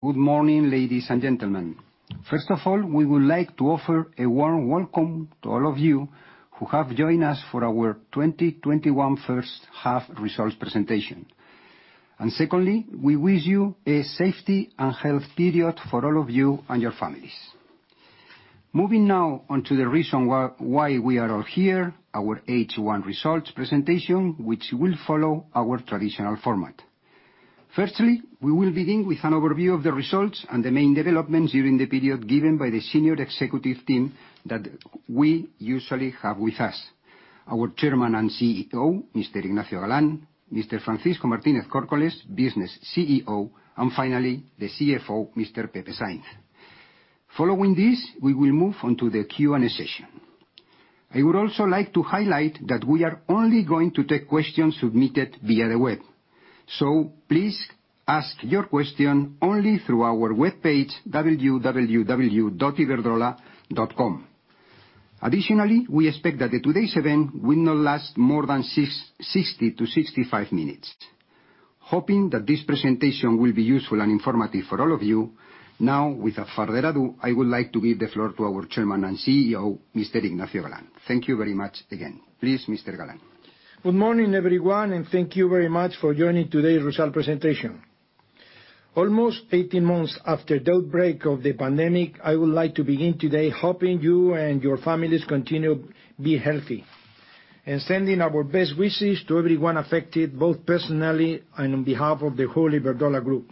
Good morning, ladies and gentlemen. First of all, we would like to offer a warm welcome to all of you who have joined us for our 2021 first half results presentation. Secondly, we wish you a safety and health period for all of you and your families. Moving now onto the reason why we are all here, our H1 results presentation, which will follow our traditional format. Firstly, we will begin with an overview of the results and the main developments during the period given by the senior executive team that we usually have with us, our Chairman and CEO, Mr. Ignacio Galán, Mr. Francisco Martínez Córcoles, Business CEO, and finally, the CFO, Mr. Pepe Sainz. Following this, we will move on to the Q&A session. I would also like to highlight that we are only going to take questions submitted via the web. Please ask your question only through our webpage, www.iberdrola.com. Additionally, we expect that today's event will not last more than 60 minutes-65 minutes. Hoping that this presentation will be useful and informative for all of you. Now, without further ado, I would like to give the floor to our Chairman and CEO, Mr. Ignacio Galán. Thank you very much again. Please, Mr. Galán. Good morning, everyone. Thank you very much for joining today's result presentation. Almost 18 months after the outbreak of the pandemic, I would like to begin today hoping you and your families continue to be healthy and sending our best wishes to everyone affected, both personally and on behalf of the whole Iberdrola Group.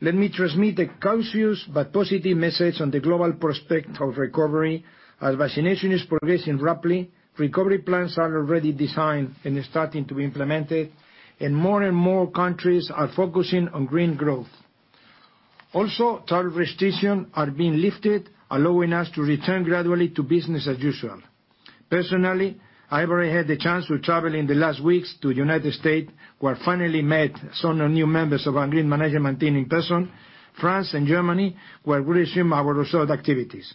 Let me transmit a cautious but positive message on the global prospect of recovery. As vaccination is progressing rapidly, recovery plans are already designed and are starting to be implemented, and more and more countries are focusing on green growth. Also, travel restrictions are being lifted, allowing us to return gradually to business as usual. Personally, I've already had the chance to travel in the last weeks to United States, where I finally met some of the new members of our green management team in person, France and Germany, where we assume our research activities.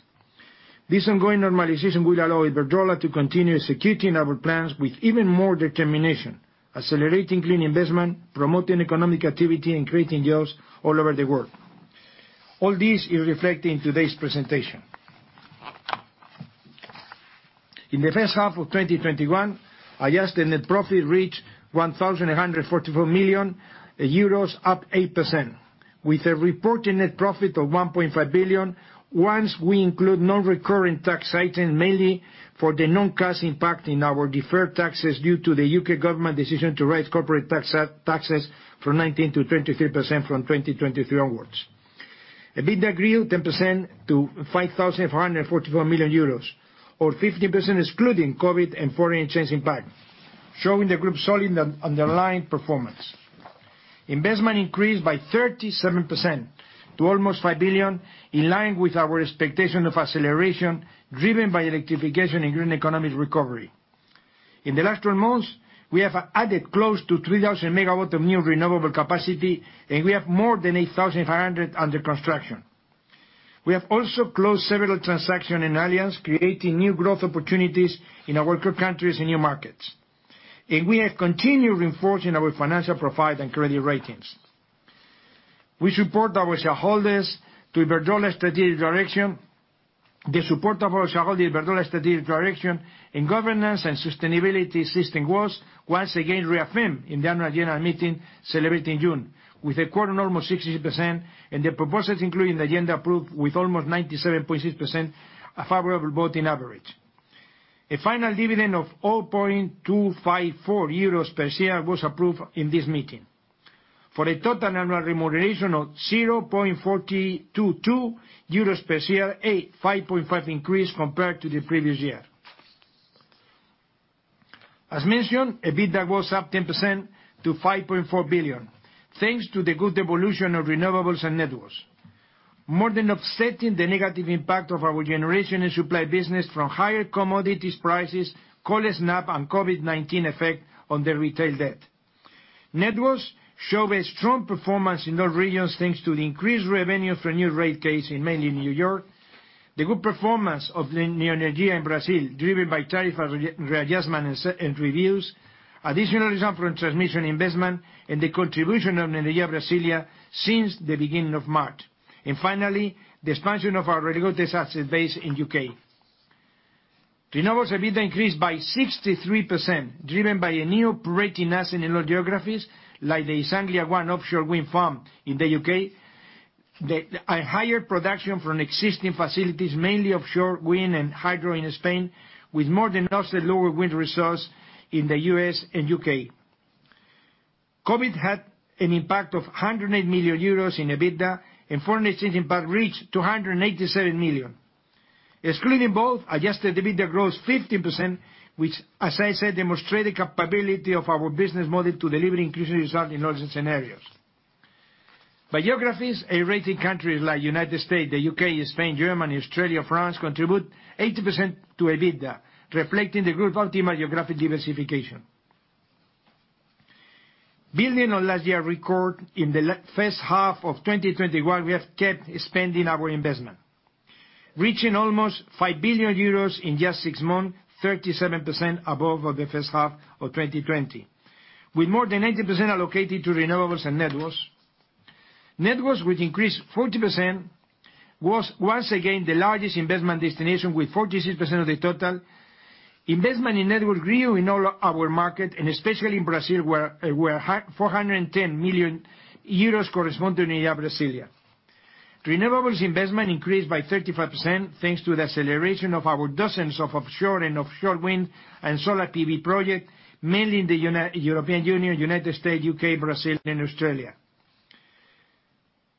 This ongoing normalization will allow Iberdrola to continue executing our plans with even more determination, accelerating clean investment, promoting economic activity, and creating jobs all over the world. All this is reflected in today's presentation. In the first half of 2021, adjusted net profit reached 1,144 million euros, up 8%, with a reported net profit of 1.5 billion once we include non-recurring tax items, mainly for the non-cash impact in our deferred taxes due to the U.K. government decision to raise corporate taxes from 19%-23% from 2023 onwards. EBITDA grew 10% to 5,444 million euros or 15% excluding COVID and foreign exchange impact, showing the group's underlying performance. Investment increased by 37% to almost 5 billion, in line with our expectation of acceleration driven by electrification and green economic recovery. In the last 12 months, we have added close to 3,000 MW of new renewable capacity, and we have more than 8,500 MW under construction. We have also closed several transactions and alliances, creating new growth opportunities in our core countries and new markets. We have continued reinforcing our financial profile and credit ratings. The support of our shareholders Iberdrola strategic direction and governance and sustainability system was once again reaffirmed in the annual general meeting celebrated in June with a quorum of almost 60% and the proposals including the agenda approved with almost 97.6% favorable voting average. A final dividend of 0.254 euros per share was approved in this meeting, for a total annual remuneration of 0.422 euros per share, a 5.5% increase compared to the previous year. As mentioned, EBITDA was up 10% to 5.4 billion, thanks to the good evolution of renewables and networks. More than offsetting the negative impact of our generation and supply business from higher commodities prices, cold snap, and COVID-19 effect on the retail debt. Networks show a strong performance in all regions, thanks to the increased revenue from new rate case in mainly New York. The good performance of Neoenergia in Brazil, driven by tariff readjustment and reviews, additional results from transmission investment, and the contribution of Neoenergia Brasília since the beginning of March. Finally, the expansion of our Regulated Assets Base in U.K. Renewables EBITDA increased by 63%, driven by new operating assets in all geographies, like the East Anglia ONE offshore wind farm in the U.K. A higher production from existing facilities, mainly offshore wind and hydro in Spain, with more than offset lower wind results in the U.S. and U.K. COVID had an impact of 108 million euros in EBITDA, and foreign exchange impact reached 287 million. Excluding both, adjusted EBITDA grows 15%, which, as I said, demonstrate the capability of our business model to deliver increasing results in all scenarios. By geographies, A-rated countries like United States, the U.K., Spain, Germany, Australia, France contribute 80% to EBITDA, reflecting the group optimal geographic diversification. Building on last year record, in the first half of 2021, we have kept expanding our investment. Reaching almost 5 billion euros in just 6 months, 37% above the first half of 2020, with more than 80% allocated to renewables and networks. Networks, which increased 40%, was once again the largest investment destination with 46% of the total. Investment in networks grew in all our markets, and especially in Brazil, where 410 million euros correspond to Neoenergia Brasília. Renewables investment increased by 35% thanks to the acceleration of our dozens of offshore wind and solar PV projects, mainly in the European Union, United States, U.K., Brazil, and Australia.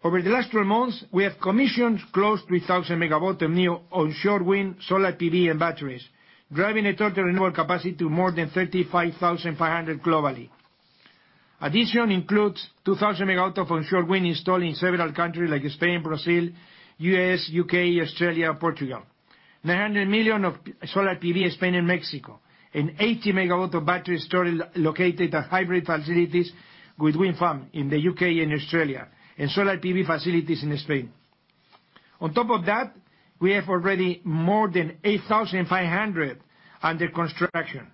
Over the last 12 months, we have commissioned close to 1,000 MW of new onshore wind, solar PV, and batteries, driving the total renewable capacity to more than 35,500 MW globally. Addition includes 2,000 MW of onshore wind installed in several countries like Spain, Brazil, U.S., U.K., Australia, Portugal. 900 million of solar PV in Spain and Mexico. 80 MW of battery storage located at hybrid facilities with wind farm in the U.K. and Australia and solar PV facilities in Spain. On top of that, we have already more than 8,500 MW under construction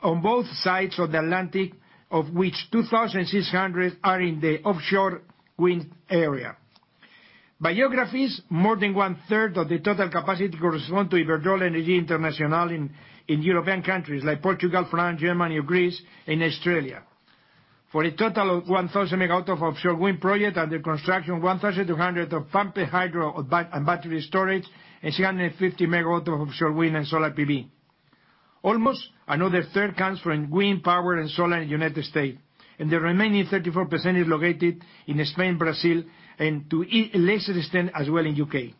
on both sides of the Atlantic, of which 2,600 MW are in the offshore wind area. By geographies, more than 1/3 of the total capacity correspond to Iberdrola Energía Internacional in European countries like Portugal, France, Germany, Greece, and Australia. For a total of 1,000 MW of offshore wind projects under construction, 1,200 MW of pumped hydro and battery storage, and 250 MW of offshore wind and solar PV. Almost another third comes from green power and solar in the United States, the remaining 34% is located in Spain, Brazil, and to a lesser extent as well in U.K.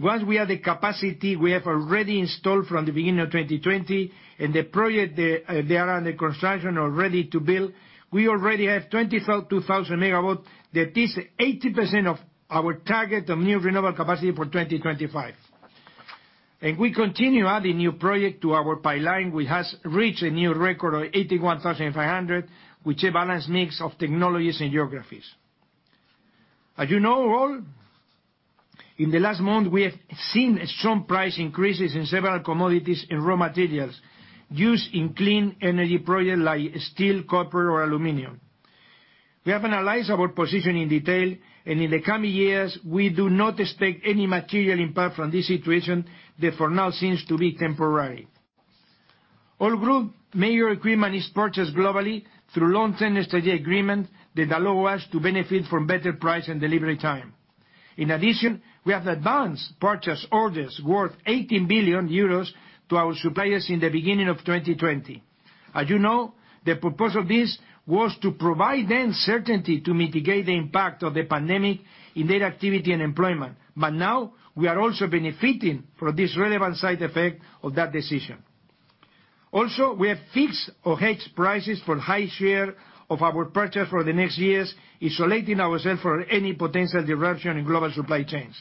Once we add the capacity we have already installed from the beginning of 2020 and the projects that are under construction or ready to build, we already have 22,000 MW. That is 80% of our target of new renewable capacity for 2025. We continue adding new projects to our pipeline, which has reached a new record of 81,500 MW, with a balanced mix of technologies and geographies. As you know, all, in the last month, we have seen strong price increases in several commodities and raw materials used in clean energy projects like steel, copper, or aluminum. We have analyzed our position in detail, and in the coming years, we do not expect any material impact from this situation that for now seems to be temporary. All group major equipment is purchased globally through long-term strategy agreements that allow us to benefit from better price and delivery time. In addition, we have advanced purchase orders worth 18 billion euros to our suppliers in the beginning of 2020. As you know, the purpose of this was to provide them certainty to mitigate the impact of the pandemic in their activity and employment. Now we are also benefiting from this relevant side effect of that decision. We have fixed or hedged prices for high share of our purchase for the next years, insulating ourselves from any potential disruption in global supply chains.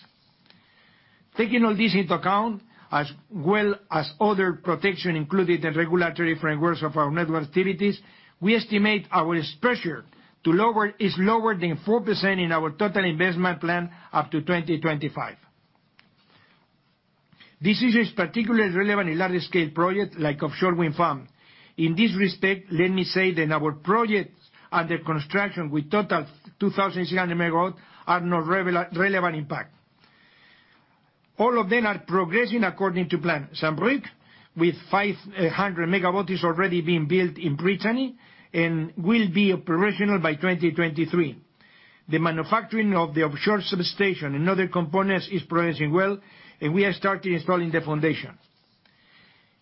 Taking all this into account, as well as other protection included in regulatory frameworks of our network activities, we estimate our exposure is lower than 4% in our total investment plan up to 2025. This is particularly relevant in large-scale projects like offshore wind farms. In this respect, let me say that our projects under construction with a total 2,600 MW are not relevant impact. All of them are progressing according to plan. Saint-Brieuc, with 500 MW, is already being built in Brittany and will be operational by 2023. The manufacturing of the offshore substation and other components is progressing well. We have started installing the foundation.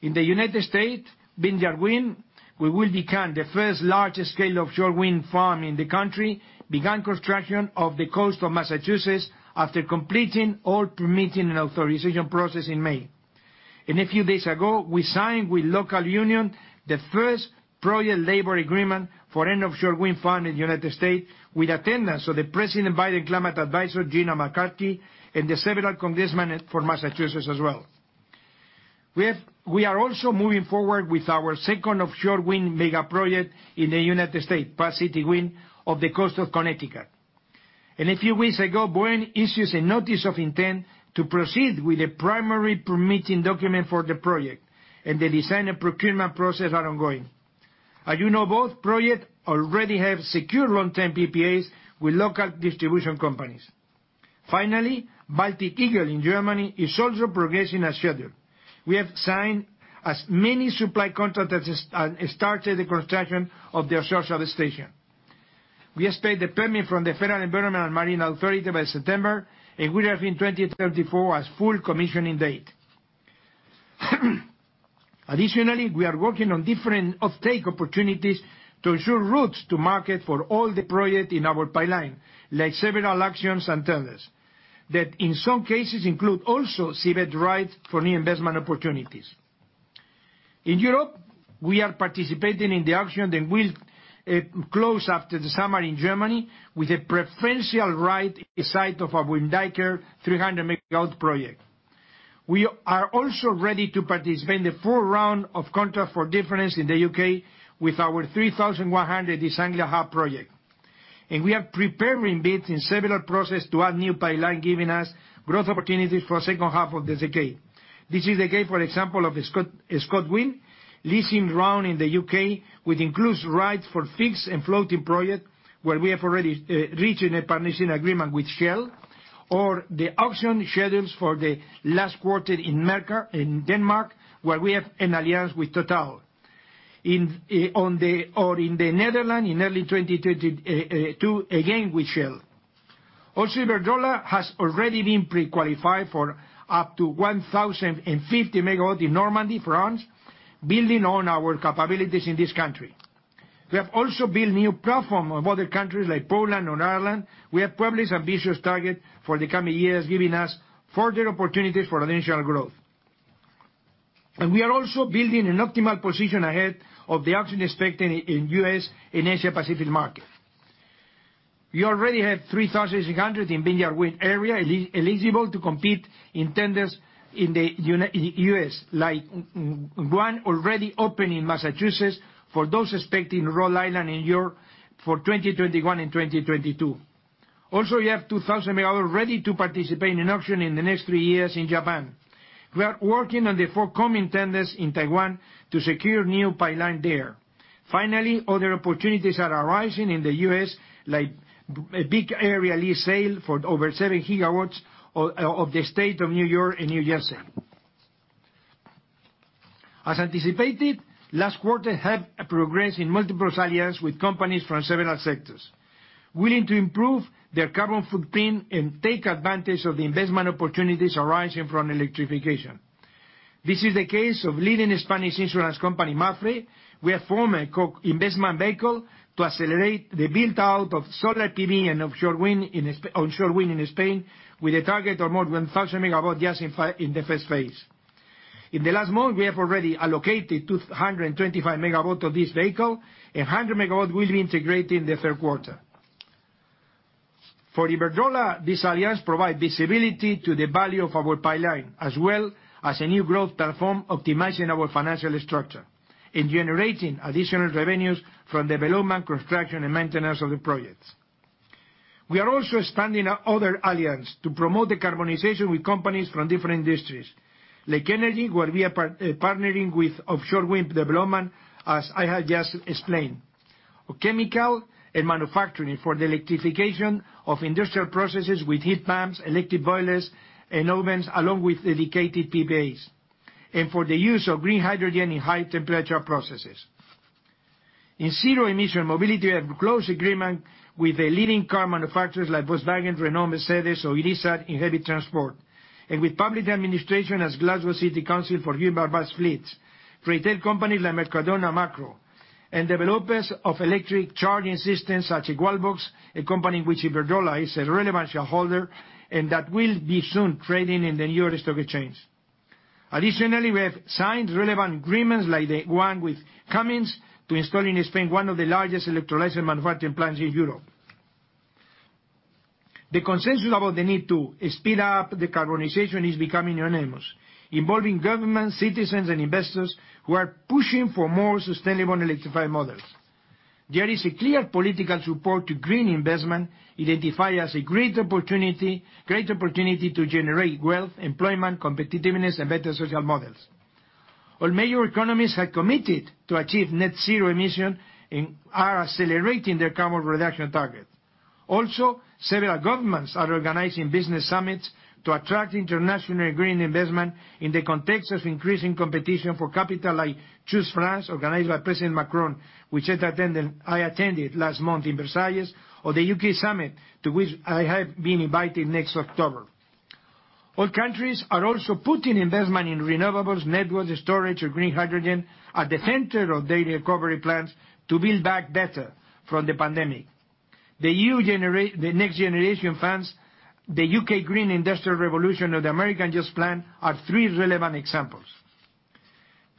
In the United States, Vineyard Wind, we will begin the first large-scale offshore wind farm in the country, began construction off the coast of Massachusetts after completing all permitting and authorization processes in May. A few days ago, we signed with local union the first project labor agreement for an offshore wind farm in the United States. with attendance of the President Biden Climate Advisor, Gina McCarthy, and several congressmen for Massachusetts as well. We are also moving forward with our second offshore wind mega project in the United States, Park City Wind, off the coast of Connecticut. A few weeks ago, BOEM issued a notice of intent to proceed with the primary permitting document for the project. The design and procurement process are ongoing. As you know, both projects already have secure long-term PPAs with local distribution companies. Finally, Baltic Eagle in Germany is also progressing as scheduled. We have signed as many supply contracts and started the construction of the offshore substation. We expect the permit from the Federal Maritime and Hydrographic Agency by September, and we have in 2034 as full commissioning date. Additionally, we are working on different offtake opportunities to ensure routes to market for all the projects in our pipeline, like several auctions and tenders, that in some cases include also seabed rights for new investment opportunities. In Europe, we are participating in the auction that will close after the summer in Germany with a preferential right in site of our Windanker 300 MW project. We are also ready to participate in the fourth round of Contract for Difference in the U.K. with our 3,100 MW East Anglia Hub project. We are preparing bids in several processes to add new pipeline, giving us growth opportunities for second half of this decade. This is the case, for example, of the ScotWind leasing round in the U.K., which includes rights for fixed and floating projects, where we have already reached a partnership agreement with Shell, the auction schedules for the last quarter in Denmark, where we have an alliance with Total. In the Netherlands in early 2022, again with Shell. Iberdrola has already been pre-qualified for up to 1,050 MW in Normandy, France, building on our capabilities in this country. We have also built new platform in other countries like Poland and Ireland. We have published ambitious targets for the coming years, giving us further opportunities for additional growth. We are also building an optimal position ahead of the auction expected in U.S. and Asia-Pacific markets. We already have 3,600 MW in Vineyard Wind area, eligible to compete in tenders in the U.S., like one already open in Massachusetts for those expecting Rhode Island and New York for 2021 and 2022. Also, we have 2,000 MW ready to participate in an auction in the next three years in Japan. We are working on the forthcoming tenders in Taiwan to secure new pipeline there. Finally, other opportunities are arising in the U.S., like a big area lease sale for over 7 GW of the state of New York and New Jersey. As anticipated, last quarter had a progress in multiple alliances with companies from several sectors, willing to improve their carbon footprint and take advantage of the investment opportunities arising from electrification. This is the case of leading Spanish insurance company, Mapfre. We have formed a co-investment vehicle to accelerate the build-out of solar PV and onshore wind in Spain with a target of more than 1,000 MW just in the first phase. In the last month, we have already allocated 225 MW of this vehicle, and 100 MW will be integrated in the third quarter. For Iberdrola, this alliance provide visibility to the value of our pipeline, as well as a new growth platform, optimizing our financial structure and generating additional revenues from development, construction, and maintenance of the projects. We are also expanding other alliance to promote decarbonization with companies from different industries. Like energy, where we are partnering with offshore wind development, as I have just explained. Chemical and manufacturing for the electrification of industrial processes with heat pumps, electric boilers, and ovens, along with dedicated PPAs, and for the use of green hydrogen in high-temperature processes. In zero-emission mobility, we have a close agreement with the leading car manufacturers like Volkswagen, Renault, Mercedes, or Irizar in heavy transport. With public administration as Glasgow City Council for human bus fleets. Retail companies like Mercadona and Makro, developers of electric charging systems such as Wallbox, a company in which Iberdrola is a relevant shareholder, that will be soon trading in the New York Stock Exchange. Additionally, we have signed relevant agreements like the one with Cummins to install in Spain one of the largest electrolyzer manufacturing plants in Europe. The consensus about the need to speed up decarbonization is becoming unanimous, involving governments, citizens, and investors who are pushing for more sustainable and electrified models. There is a clear political support to green investment, identified as a great opportunity to generate wealth, employment, competitiveness, and better social models. All major economies have committed to achieve net zero emission and are accelerating their carbon reduction target. Also, several governments are organizing business summits to attract international green investment in the context of increasing competition for capital like Choose France, organized by President Macron, which I attended last month in Versailles, or the U.K. summit, to which I have been invited next October. All countries are also putting investment in renewables, networks, storage or green hydrogen at the center of the recovery plans to build back better from the pandemic. The next generation funds, the UK Green Industrial Revolution, or the American Jobs Plan are three relevant examples.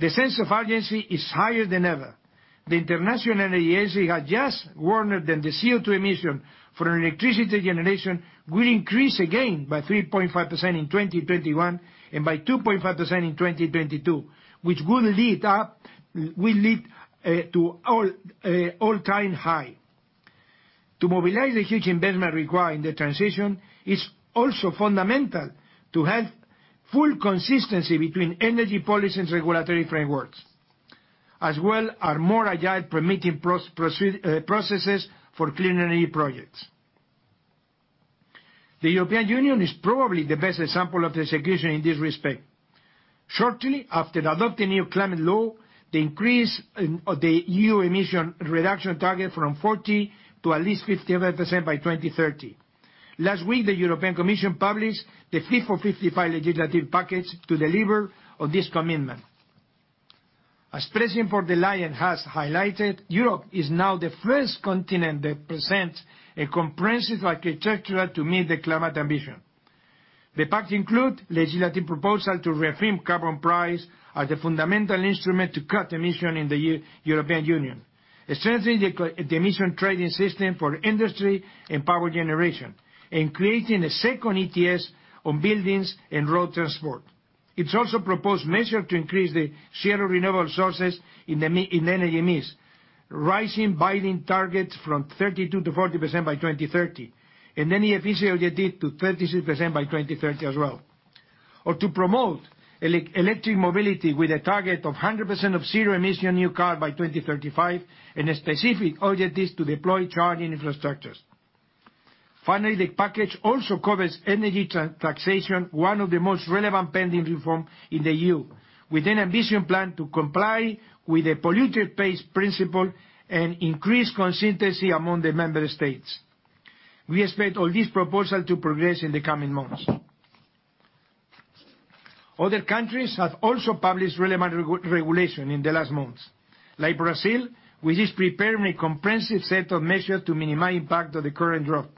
The sense of urgency is higher than ever. The International Energy Agency has just warned that the CO2 emission for electricity generation will increase again by 3.5% in 2021 and by 2.5% in 2022, which will lead to all-time high. To mobilize the huge investment required in the transition, it's also fundamental to have full consistency between energy policies and regulatory frameworks, as well as more agile permitting processes for clean energy projects. The European Union is probably the best example of the execution in this respect. Shortly after adopting new climate law, they increased the EU emission reduction target from 40% to at least 55% by 2030. Last week, the European Commission published the Fit for 55 legislative package to deliver on this commitment. As President von der Leyen has highlighted, Europe is now the first continent that presents a comprehensive architecture to meet the climate ambition. The package includes legislative proposals to reform carbon price as the fundamental instrument to cut emissions in the European Union, strengthening the emission trading system for industry and power generation, and creating a second ETS on buildings and road transport. It also proposes measures to increase the share of renewable sources in energy mix, rising binding targets from 32% to 40% by 2030, and then efficiency of it to 33% by 2030 as well. To promote electric mobility with a target of 100% of zero-emission new cars by 2035, and a specific objective to deploy charging infrastructures. Finally, the package also covers energy taxation, one of the most relevant pending reforms in the EU, with an ambitious plan to comply with the polluter pays principle and increase consistency among the member states. We expect all these proposals to progress in the coming months. Other countries have also published relevant regulation in the last months. Like Brazil, which is preparing a comprehensive set of measures to minimize impact of the current drought.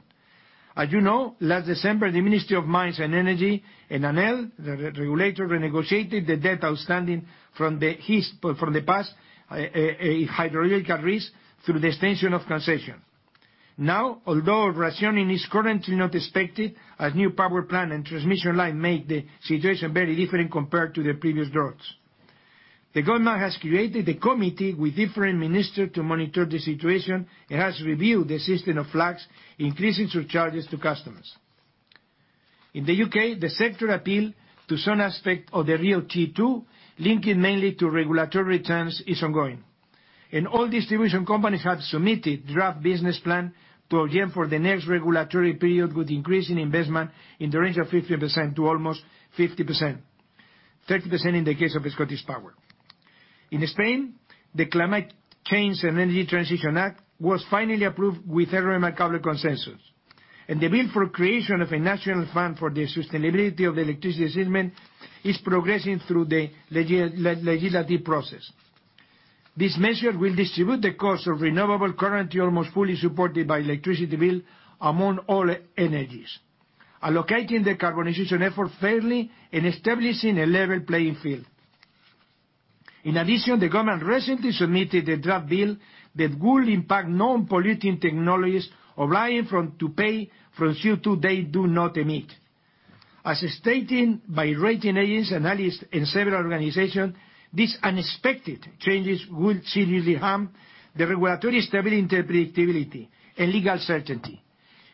As you know, last December, the Ministry of Mines and Energy and ANEEL, the regulator, renegotiated the debt outstanding from the past hydro canon through the extension of concession. Now, although rationing is currently not expected, as new power plant and transmission line make the situation very different compared to the previous droughts. The government has created a committee with different minister to monitor the situation. It has reviewed the system of flags, increasing surcharges to customers. In the U.K., the sector appeal to some aspect of the RIIO-T2, linking mainly to regulatory returns, is ongoing. All distribution companies have submitted draft business plan to Ofgem for the next regulatory period, with increase in investment in the range of 15% to almost 50%, 30% in the case of ScottishPower. In Spain, the Climate Change and Energy Transition Act was finally approved with a remarkable consensus, and the bill for creation of a national fund for the sustainability of electricity system is progressing through the legislative process. This measure will distribute the cost of renewable current almost fully supported by electricity bill among all energies, allocating the decarbonization effort fairly and establishing a level playing field. In addition, the government recently submitted a draft bill that will impact non-polluting technologies obliged to pay for CO2 they do not emit. As stated by rating agents, analysts, and several organizations, these unexpected changes will seriously harm the regulatory stability and predictability and legal certainty,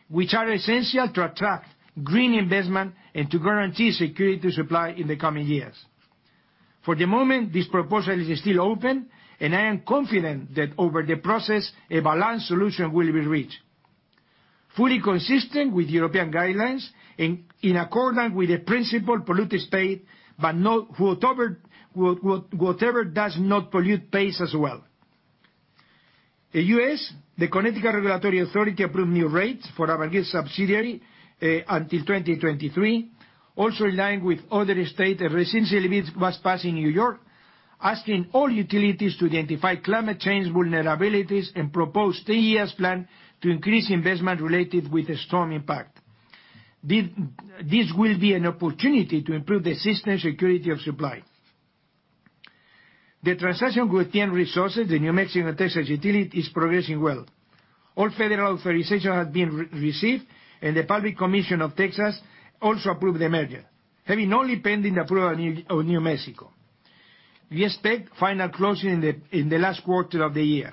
which are essential to attract green investment and to guarantee security supply in the coming years. I am confident that over the process, a balanced solution will be reached, fully consistent with European guidelines and in accordance with the principle polluter pays, but whatever does not pollute pays as well. The U.S., the Connecticut Regulatory Authority approved new rates for our gas subsidiary until 2023. Also in line with other states, resiliency bills was passed in New York, asking all utilities to identify climate change vulnerabilities and propose three years plan to increase investment related with the storm impact. This will be an opportunity to improve the system security of supply. The transaction with PNM Resources, the New Mexico, Texas utility, is progressing well. All federal authorization has been received, and the Public Commission of Texas also approved the merger, having only pending approval of New Mexico. We expect final closing in the last quarter of the year.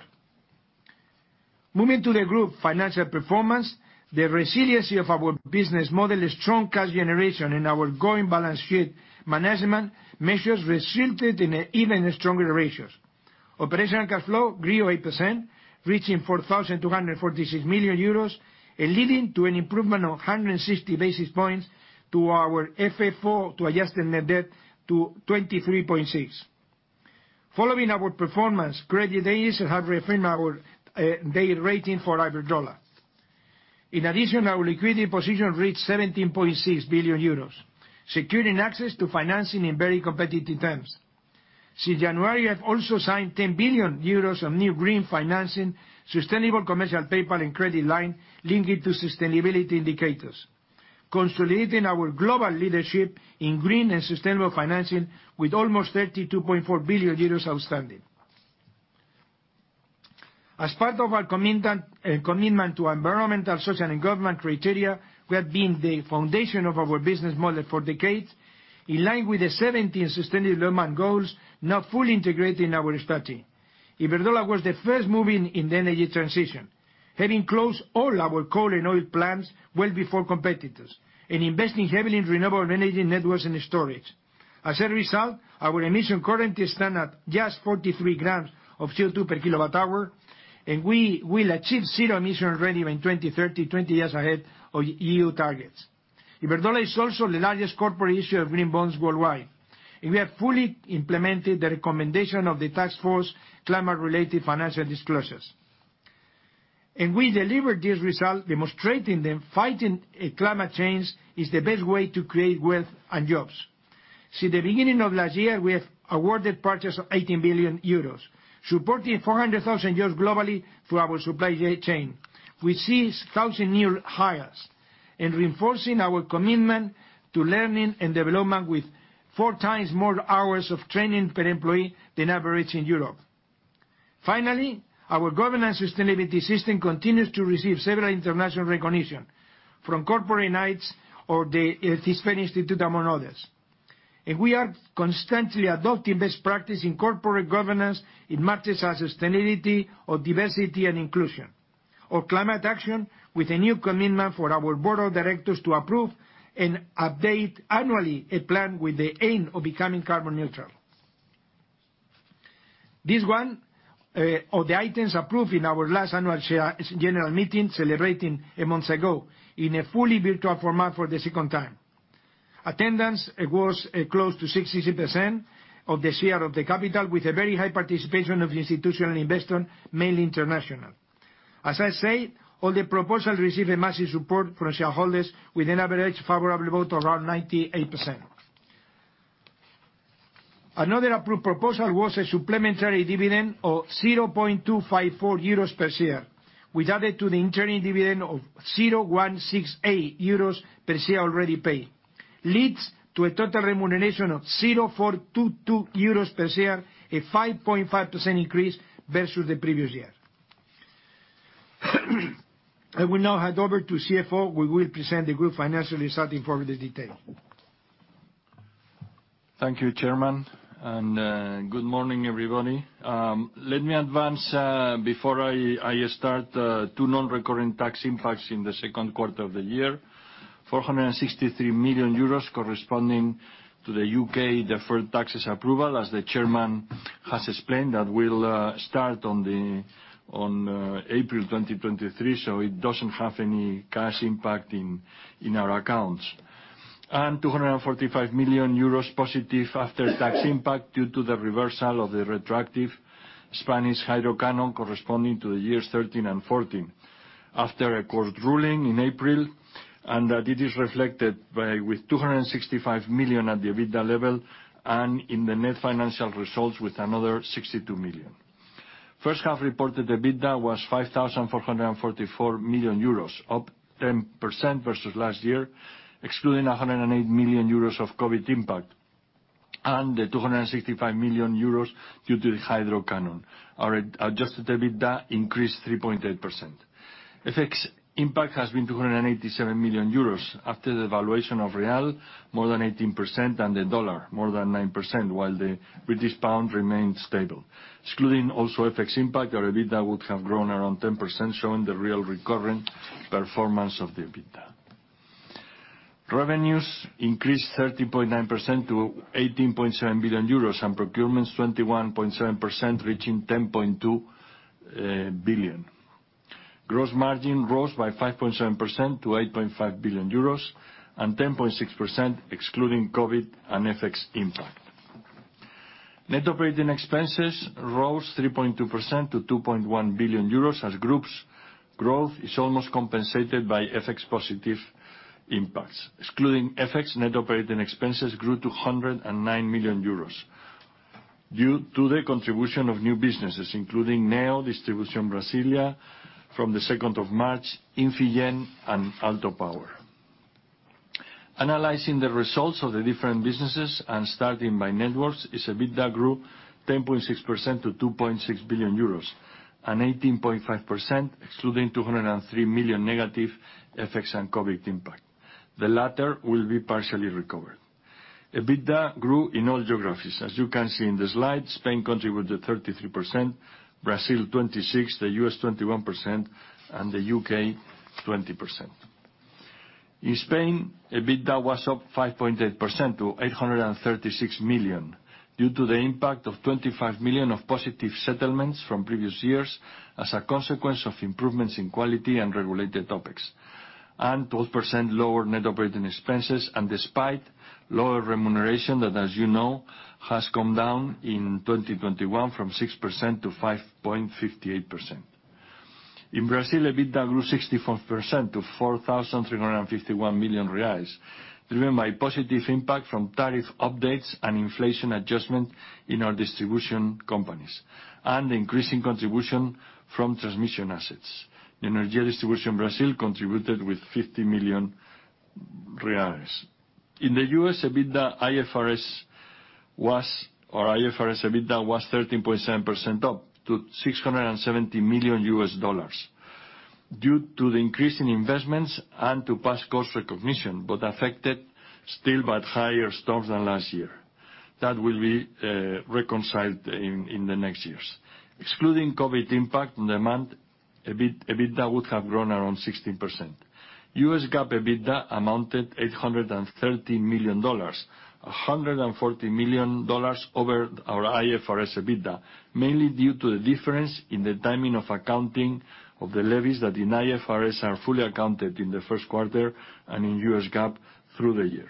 Moving to the group financial performance, the resiliency of our business model is strong cash generation, and our ongoing balance sheet management measures resulted in even stronger ratios. Operational cash flow grew 8%, reaching 4,246 million euros, and leading to an improvement of 160 basis points to our FFO to adjusted net debt to 23.6%. Following our performance, credit agencies have reaffirmed our debt rating for Iberdrola. In addition, our liquidity position reached 17.6 billion euros, securing access to financing in very competitive terms. Since January, we have also signed 10 billion euros of new green financing, sustainable commercial paper, and credit line linked to sustainability indicators, consolidating our global leadership in green and sustainable financing with almost 32.4 billion euros outstanding. As part of our commitment to environmental, social, and governance criteria, which have been the foundation of our business model for decades, in line with the 17 Sustainable Development Goals now fully integrated in our strategy. Iberdrola was the first mover in the energy transition, having closed all our coal and oil plants well before competitors, and investing heavily in renewable energy networks and storage. As a result, our emissions currently stand at just 43 g of CO2 per kWh, and we will achieve zero emissions already by 2030, 20 years ahead of EU targets. Iberdrola is also the largest corporate issuer of green bonds worldwide, and we have fully implemented the recommendation of the Task Force on Climate-Related Financial Disclosures. We delivered this result, demonstrating that fighting climate change is the best way to create wealth and jobs. Since the beginning of last year, we have awarded purchase of 18 billion euros, supporting 400,000 jobs globally through our supply chain, with 6,000 new hires, and reinforcing our commitment to learning and development with four times more hours of training per employee than average in Europe. Finally, our governance sustainability system continues to receive several international recognition from Corporate Knights or the Ethisphere Institute, among others. We are constantly adopting best practice in corporate governance in matters as sustainability or diversity and inclusion, or climate action, with a new commitment for our Board of Directors to approve and update annually a plan with the aim of becoming carbon neutral. This was one of the items approved in our last Annual General Meeting, celebrating a month ago in a fully virtual format for the second time. Attendance was close to 63% of the share of the capital, with a very high participation of institutional investors, mainly international. All the proposals received a massive support from shareholders with an average favorable vote around 98%. Another approved proposal was a supplementary dividend of 0.254 euros per share, which added to the interim dividend of 0.168 euros per share already paid, leads to a total remuneration of 0.422 euros per share, a 5.5% increase versus the previous year. I will now hand over to CFO, who will present the group financial results in further detail. Thank you, Chairman, and good morning, everybody. Let me advance, before I start, two non-recurrent tax impacts in the second quarter of the year. 463 million euros, corresponding to the U.K. deferred taxes approval, as the Chairman has explained. That will start on April 2023, it doesn't have any cash impact in our accounts. 245 million euros positive after-tax impact due to the reversal of the retroactive Spanish hydro canon corresponding to the years 2013 and 2014 after a court ruling in April, that it is reflected with 265 million at the EBITDA level and in the net financial results with another 62 million. First half reported EBITDA was 5,444 million euros, up 10% versus last year, excluding 108 million euros of COVID impact and the 265 million euros due to the hydro canon. Our adjusted EBITDA increased 3.8%. FX impact has been 287 million euros after the valuation of real, more than 18%, and the dollar, more than 9%, while the British pound remained stable. Excluding also FX impact, our EBITDA would have grown around 10%, showing the real recurrent performance of the EBITDA. Revenues increased 30.9% to 18.7 billion euros and procurements 21.7%, reaching 10.2 billion. Gross margin rose by 5.7% to 8.5 billion euros and 10.6% excluding COVID and FX impact. Net operating expenses rose 3.2% to 2.1 billion euros as groups growth is almost compensated by FX positive impacts. Excluding FX, net operating expenses grew to 109 million euros due to the contribution of new businesses, including Neo Distribuição Brasília from the 2nd of March, Infigen, and Aalto Power. Analyzing the results of the different businesses and starting by Networks, its EBITDA grew 10.6% to 2.6 billion euros and 18.5% excluding 203 million negative FX and COVID impact. The latter will be partially recovered. EBITDA grew in all geographies. As you can see in the slide, Spain contributed 33%, Brazil 26%, the U.S. 21%, and the U.K. 20%. In Spain, EBITDA was up 5.8% to 836 million due to the impact of 25 million of positive settlements from previous years as a consequence of improvements in quality and regulated topics, and 12% lower net operating expenses, and despite lower remuneration that, as you know, has come down in 2021 from 6% to 5.58%. In Brazil, EBITDA grew 64% to 4,351 million reais, driven by positive impact from tariff updates and inflation adjustment in our distribution companies and increasing contribution from transmission assets. Energy distribution Brazil contributed with 50 million reais. In the U.S., EBITDA IFRS was or IFRS EBITDA was 13.7% up to $670 million due to the increase in investments and to past cost recognition, but affected still by higher storms than last year. That will be reconciled in the next years. Excluding COVID impact on demand, EBITDA would have grown around 16%. U.S. GAAP EBITDA amounted $830 million, $140 million over our IFRS EBITDA, mainly due to the difference in the timing of accounting of the levies that in IFRS are fully accounted in the first quarter and in U.S. GAAP through the year.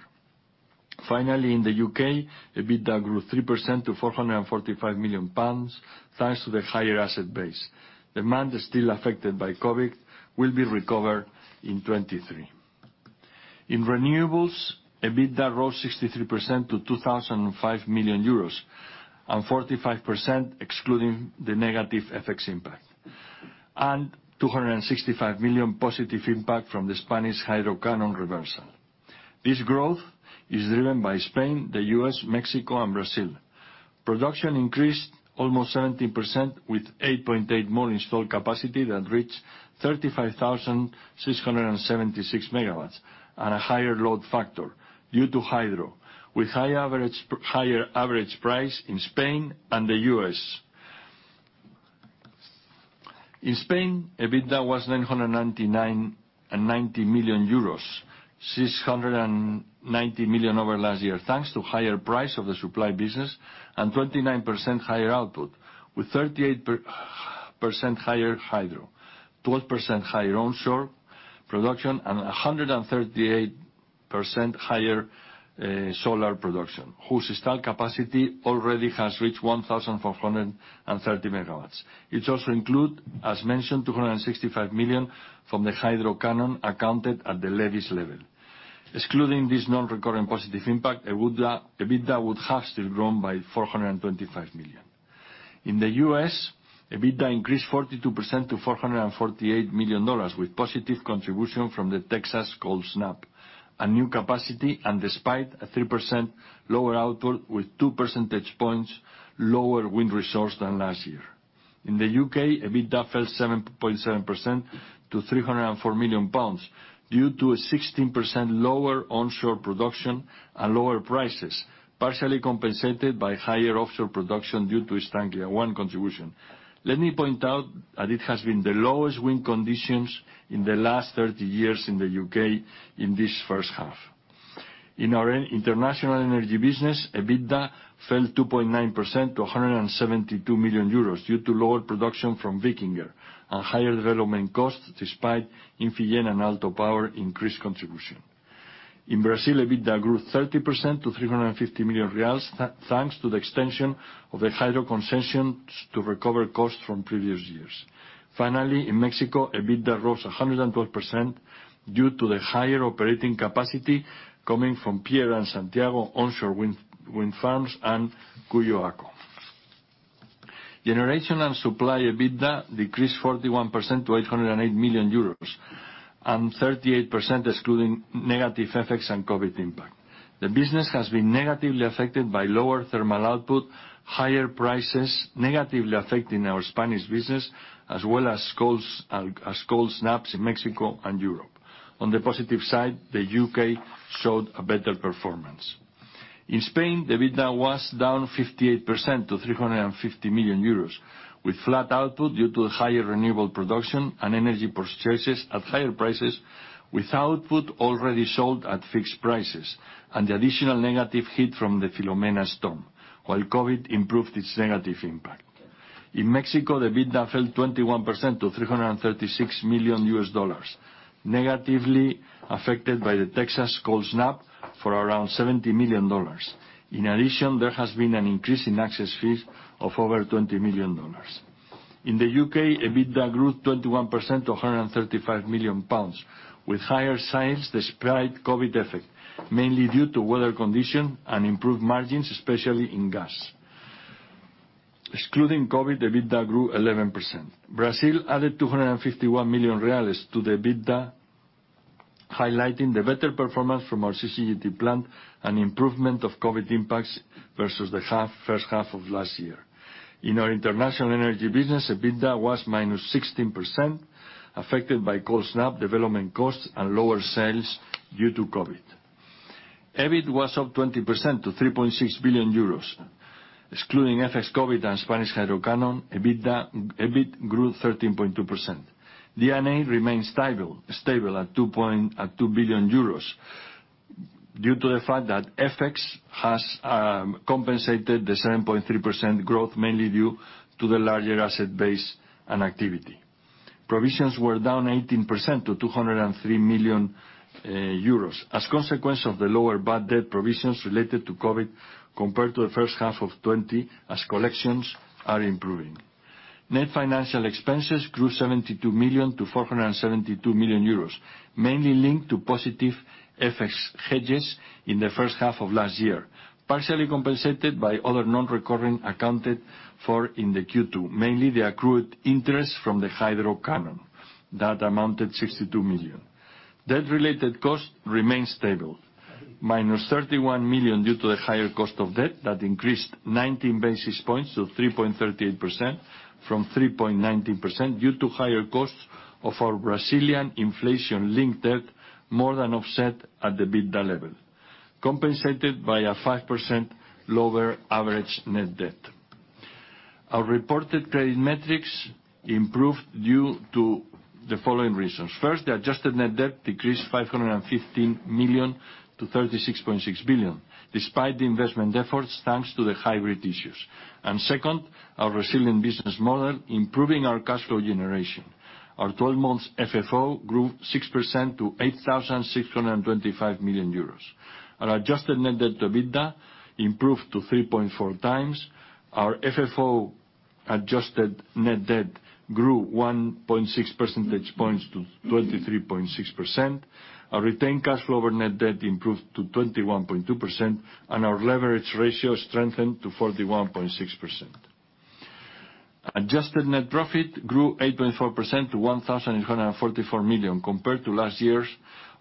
Finally, in the U.K., EBITDA grew 3% to 445 million pounds, thanks to the higher asset base. Demand is still affected by COVID, will be recovered in 2023. In renewables, EBITDA rose 63% to 2,005 million euros and 45% excluding the negative FX impact, and 265 million positive impact from the Spanish hydro canon reversal. This growth is driven by Spain, the U.S., Mexico, and Brazil. Production increased almost 17%, with 8.8 more installed capacity that reached 35,676 MW and a higher load factor due to hydro, with higher average price in Spain and the U.S. In Spain, EBITDA was 990 million euros, 690 million over last year, thanks to higher price of the supply business and 29% higher output with 38% higher hydro, 12% higher onshore production, and 138% higher solar production, whose installed capacity already has reached 1,430 MW. It also include, as mentioned, 265 million from the hydro canon accounted at the levies level. Excluding this non-recurring positive impact, EBITDA would have still grown by 425 million. In the U.S., EBITDA increased 42% to $448 million, with positive contribution from the Texas cold snap and new capacity, and despite a 3% lower output with 2 percentage points lower wind resource than last year. In the U.K., EBITDA fell 7.7% to 304 million pounds due to a 16% lower onshore production and lower prices, partially compensated by higher offshore production due to East Anglia ONE contribution. Let me point out that it has been the lowest wind conditions in the last 30 years in the U.K. in this first half. In our international energy business, EBITDA fell 2.9% to 172 million euros due to lower production from Wikinger and higher development costs, despite Infigen and Aalto Power increased contribution. In Brazil, EBITDA grew 30% to 350 million reais, thanks to the extension of the hydro concessions to recover costs from previous years. In Mexico, EBITDA rose 112% due to the higher operating capacity coming from Pier and Santiago onshore wind farms and Cuyoaco. Generation and supply EBITDA decreased 41% to 808 million euros and 38%, excluding negative effects and COVID impact. The business has been negatively affected by lower thermal output, higher prices, negatively affecting our Spanish business as well as cold snaps in Mexico and Europe. On the positive side, the U.K. showed a better performance. In Spain, the EBITDA was down 58% to 350 million euros, with flat output due to higher renewable production and energy purchases at higher prices, with output already sold at fixed prices and the additional negative hit from the Filomena storm, while COVID improved its negative impact. In Mexico, the EBITDA fell 21% to $336 million, negatively affected by the Texas cold snap for around $70 million. In addition, there has been an increase in access fees of over EUR 20 million. In the U.K., EBITDA grew 21% to 135 million pounds with higher sales despite COVID effect, mainly due to weather condition and improved margins, especially in gas. Excluding COVID, EBITDA grew 11%. Brazil added 251 million to the EBITDA, highlighting the better performance from our CCGT plant and improvement of COVID impacts versus the first half of last year. In our international energy business, EBITDA was -16%, affected by cold snap development costs and lower sales due to COVID. EBIT was up 20% to 3.6 billion euros. Excluding FX, COVID, and Spanish hydro canon, EBIT grew 13.2%. D&A remains stable at 2 billion euros due to the fact that FX has compensated the 7.3% growth, mainly due to the larger asset base and activity. Provisions were down 18% to 203 million euros, as a consequence of the lower bad debt provisions related to COVID compared to the first half of 2020, as collections are improving. Net financial expenses grew 72 million to 472 million euros, mainly linked to positive FX hedges in the first half of last year, partially compensated by other non-recurring accounted for in the Q2, mainly the accrued interest from the hydro canon that amounted 62 million. Debt-related cost remains stable, -31 million due to the higher cost of debt that increased 19 basis points to 3.38% from 3.19% due to higher costs of our Brazilian inflation-linked debt, more than offset at the EBITDA level, compensated by a 5% lower average net debt. Our reported credit metrics improved due to the following reasons. The adjusted net debt decreased 515 million to 36.6 billion, despite the investment efforts, thanks to the hybrid issues. Second, our resilient business model, improving our cash flow generation. Our 12-month FFO grew 6% to 8,625 million euros. Our adjusted net debt to EBITDA improved to 3.4x. Our FFO adjusted net debt grew 1.6 percentage points to 23.6%. Our retained cash flow over net debt improved to 21.2%, and our leverage ratio strengthened to 41.6%. Adjusted net profit grew 8.4% to 1,844 million, compared to last year's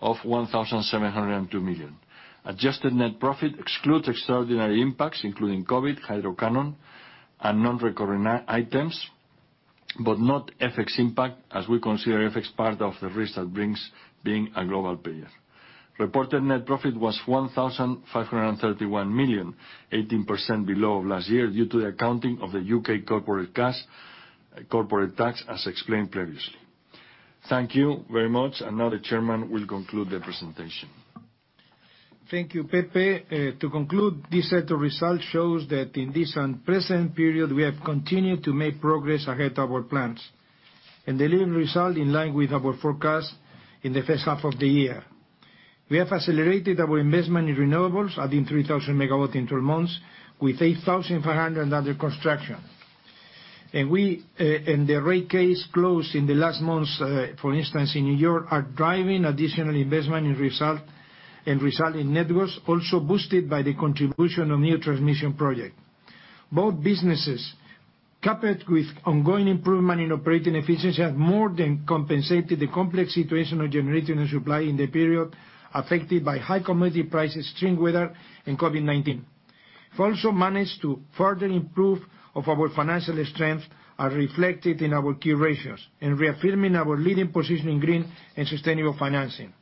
of 1,702 million. Adjusted net profit excludes extraordinary impacts, including COVID, hydro canon, and non-recurring items, but not FX impact, as we consider FX part of the risk that brings being a global player. Reported net profit was 1,531 million, 18% below last year due to the accounting of the U.K. corporate tax, as explained previously. Thank you very much. Now the Chairman will conclude the presentation. Thank you, Pepe. To conclude, this set of results shows that in this unpleasant period, we have continued to make progress ahead of our plans and deliver results in line with our forecast in the first half of the year. We have accelerated our investment in renewables, adding 3,000 MW in 12 months, with 8,500 MW under construction. The rate case closed in the last months, for instance, in New York, are driving additional investment and result in networks, also boosted by the contribution of new transmission projects. Both businesses, coupled with ongoing improvement in operating efficiency, have more than compensated the complex situation of generation and supply in the period affected by high commodity prices, extreme weather, and COVID-19. We've also managed to further improve our financial strength, as reflected in our key ratios, and reaffirming our leading position in green and sustainable financing.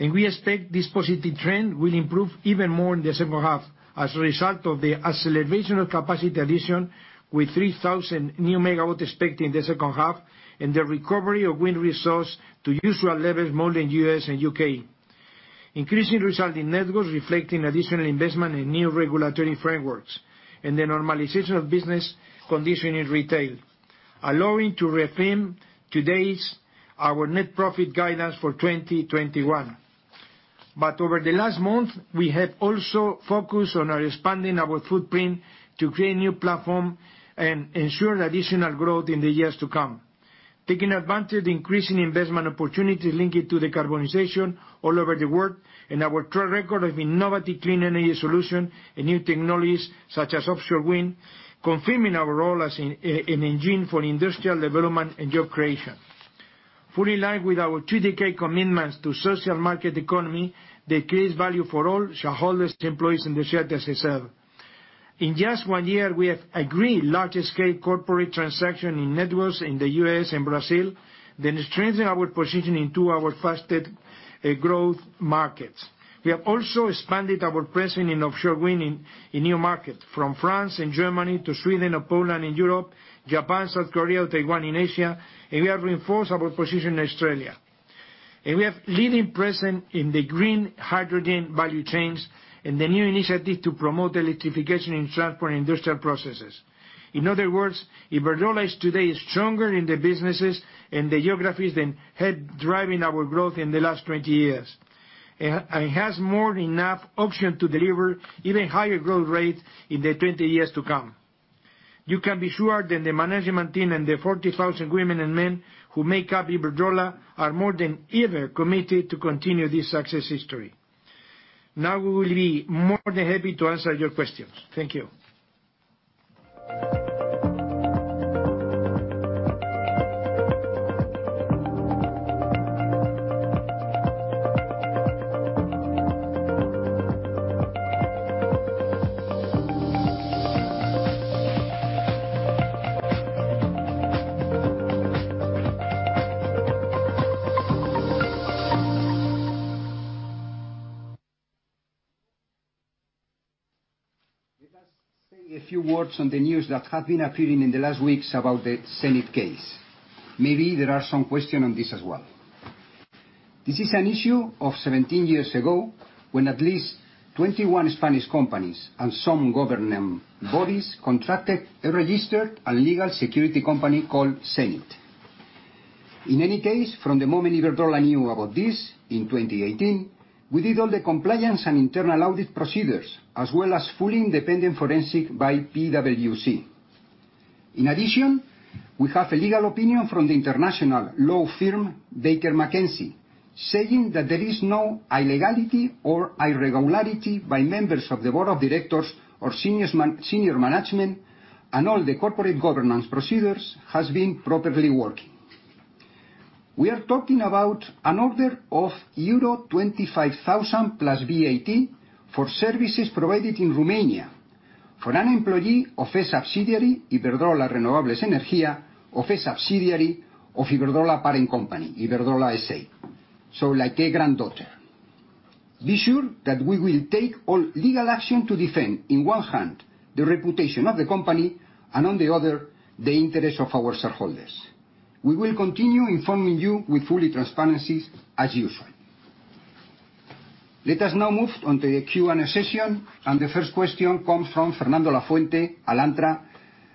We expect this positive trend will improve even more in the second half as a result of the acceleration of capacity addition, with 3,000 new megawatts expected in the second half and the recovery of wind resource to usual levels, more in U.S. and U.K. Increasing results in networks reflecting additional investment in new regulatory frameworks and the normalization of business conditions in retail, allowing to reaffirm today our net profit guidance for 2021. Over the last month, we have also focused on expanding our footprint to create new platform and ensure additional growth in the years to come. Taking advantage of increasing investment opportunities linked to decarbonization all over the world and our track record of innovative clean energy solution and new technologies such as offshore wind, confirming our role as an engine for industrial development and job creation. Fully in line with our two-decade commitment to social market economy that creates value for all shareholders, employees, and the shareholders they serve. In just one year, we have agreed large-scale corporate transactions in networks in the U.S. and Brazil that strengthen our position in two of our fastest growth markets. We have also expanded our presence in offshore wind in new markets, from France and Germany to Sweden and Poland and Europe, Japan, South Korea, Taiwan in Asia. We have reinforced our position in Australia. We have leading presence in the green hydrogen value chains and the new initiative to promote electrification in transport and industrial processes. In other words, Iberdrola is today stronger in the businesses and the geographies than had driven our growth in the last 20 years. It has more than enough options to deliver even higher growth rates in the 20 years to come. You can be sure that the management team and the 40,000 women and men who make up Iberdrola are more than ever committed to continue this success history. We will be more than happy to answer your questions. Thank you. Let us say a few words on the news that have been appearing in the last weeks about the Cenyt case. Maybe there are some questions on this as well. This is an issue of 17 years ago, when at least 21 Spanish companies and some government bodies contracted a registered and legal security company called Cenyt. From the moment Iberdrola knew about this in 2018, we did all the compliance and internal audit procedures as well as fully independent forensic by PwC. In addition, we have a legal opinion from the international law firm Baker McKenzie, saying that there is no illegality or irregularity by members of the board of directors or senior management, and all the corporate governance procedures have been properly working. We are talking about an order of euro 25,000+ VAT for services provided in Romania for an employee of a subsidiary, Iberdrola Renovables Energía, of a subsidiary of Iberdrola parent company, Iberdrola, S.A. Like a granddaughter. Be sure that we will take all legal action to defend, on one hand, the reputation of the company, and on the other, the interest of our shareholders. We will continue informing you with full transparency as usual. Let us now move on to the Q&A session, the first question comes from Fernando Lafuente, Alantra,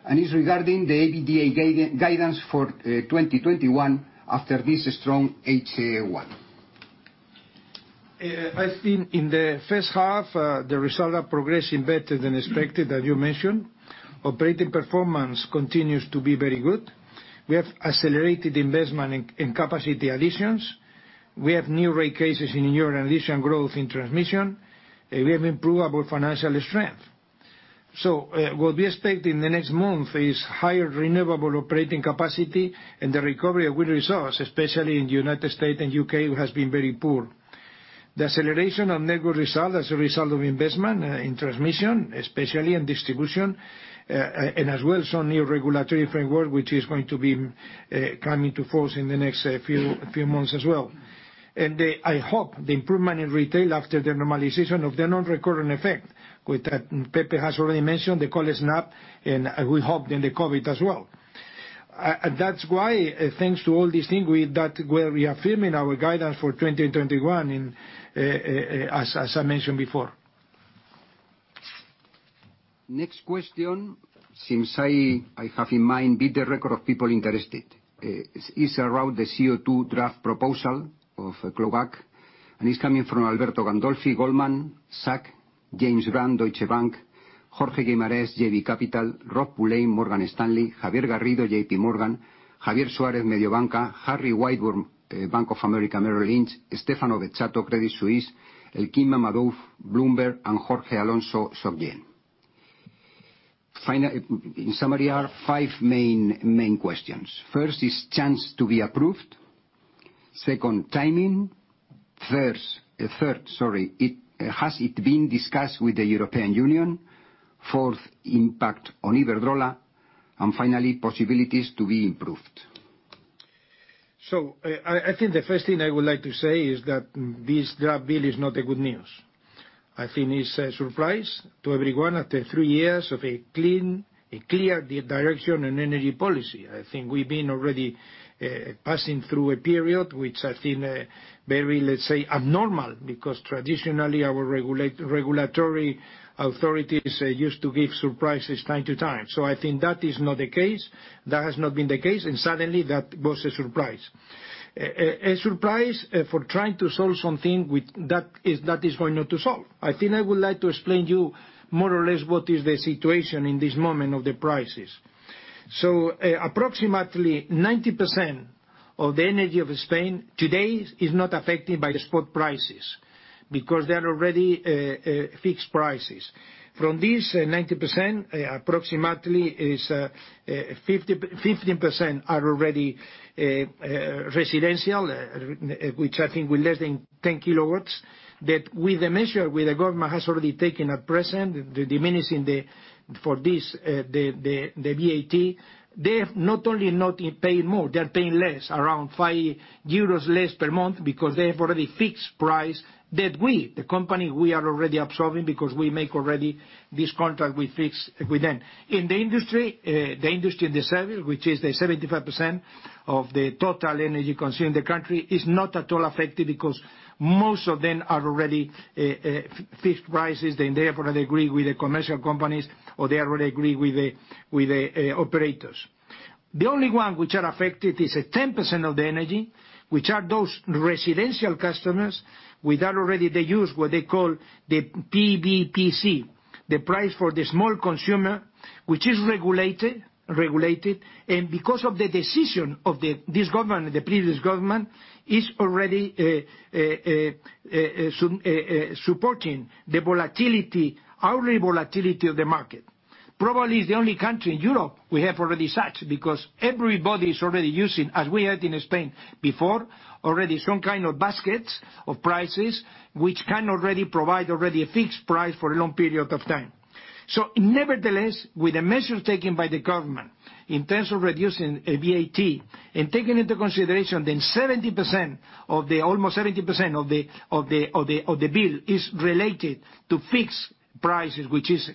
and is regarding the EBITDA guidance for 2021 after this strong H1. I think in the first half, the results are progressing better than expected, as you mentioned. Operating performance continues to be very good. We have accelerated investment in capacity additions. We have new rate cases in Europe and addition growth in transmission. We have improved our financial strength. What we expect in the next month is higher renewable operating capacity and the recovery of wind resource, especially in the United States and U.K., who has been very poor. The acceleration of net book result as a result of investment in transmission, especially in distribution, and as well as some new regulatory framework, which is going to be coming to force in the next few months as well. I hope the improvement in retail after the normalization of the non-recurrent effect, with that, Pepe has already mentioned the cold snap, and we hope in the COVID as well. That's why thanks to all these things, that we are affirming our guidance for 2021, as I mentioned before. Next question, since I have in mind bit the record of people interested. It's around the CO2 draft proposal of clawback. It's coming from Alberto Gandolfi, Goldman Sachs, James Brand, Deutsche Bank, Jorge Guimarães, JB Capital, Rob Pulleyn, Morgan Stanley, Javier Garrido, JPMorgan, Javier Suarez, Mediobanca, Harry Wyburd, Bank of America Merrill Lynch, Stefano Bezzato, Credit Suisse, Elchin Mammadov, Bloomberg, and Jorge Alonso, SocGen. In summary, are five main questions. First is chance to be approved. Second, timing. Third, has it been discussed with the European Union? Fourth, impact on Iberdrola, finally, possibilities to be improved. I think the first thing I would like to say is that this draft bill is not a good news. I think it's a surprise to everyone after three years of a clean, a clear direction and energy policy. I think we've been already passing through a period which I think very, let's say, abnormal, because traditionally our regulatory authorities used to give surprises time to time. I think that is not the case, that has not been the case, and suddenly that was a surprise. A surprise for trying to solve something that is going not to solve. I think I would like to explain you more or less what is the situation in this moment of the prices. Approximately 90% of the energy of Spain today is not affected by the spot prices because they're already fixed prices. From this 90%, approximately 15% are already residential, which I think with less than 10 kilowatts, that with the measure where the government has already taken at present, the diminishing for this, the VAT, they have not only not paid more, they are paying less, around 5 euros less per month because they have already fixed price that we, the company, we are already absorbing because we make already this contract with fixed with them. In the industry, the industry and the service, which is the 75% of the total energy consumed in the country, is not at all affected because most of them are already fixed prices and they have already agreed with the commercial companies or they already agree with the operators. The only one which are affected is 10% of the energy, which are those residential customers with that already they use what they call the PVPC, the price for the small consumer, which is regulated, and because of the decision of this government, the previous government, is already supporting the volatility, hourly volatility of the market. Probably, is the only country in Europe we have already such because everybody is already using, as we had in Spain before, already some kind of baskets of prices which can already provide already a fixed price for a long period of time. Nevertheless, with the measures taken by the government in terms of reducing VAT and taking into consideration that almost 70% of the bill is related to fixed prices, which is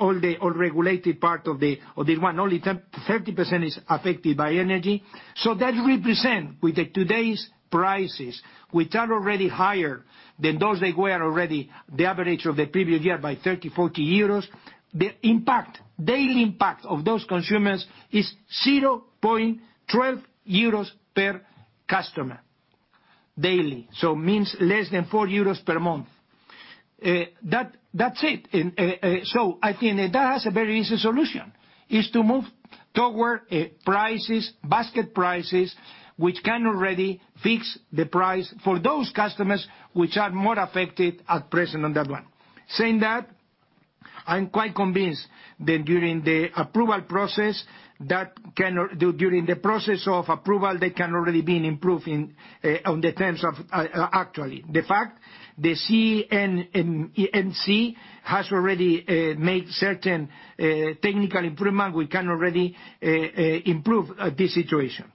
all regulated part of this one, only 30% is affected by energy. That represents with the today's prices, which are already higher than those they were already the average of the previous year by 30 euros, 40 euros, the impact, daily impact of those consumers is 0.12 euros per customer daily. That means less than 4 euros per month. That's it. I think that has a very easy solution, is to move toward prices, basket prices, which can already fix the price for those customers which are more affected at present on that one. Saying that, I'm quite convinced that during the process of approval, they can already be improved on the terms of actually. The fact, the CNMC has already made certain technical improvements, we can already improve this situation.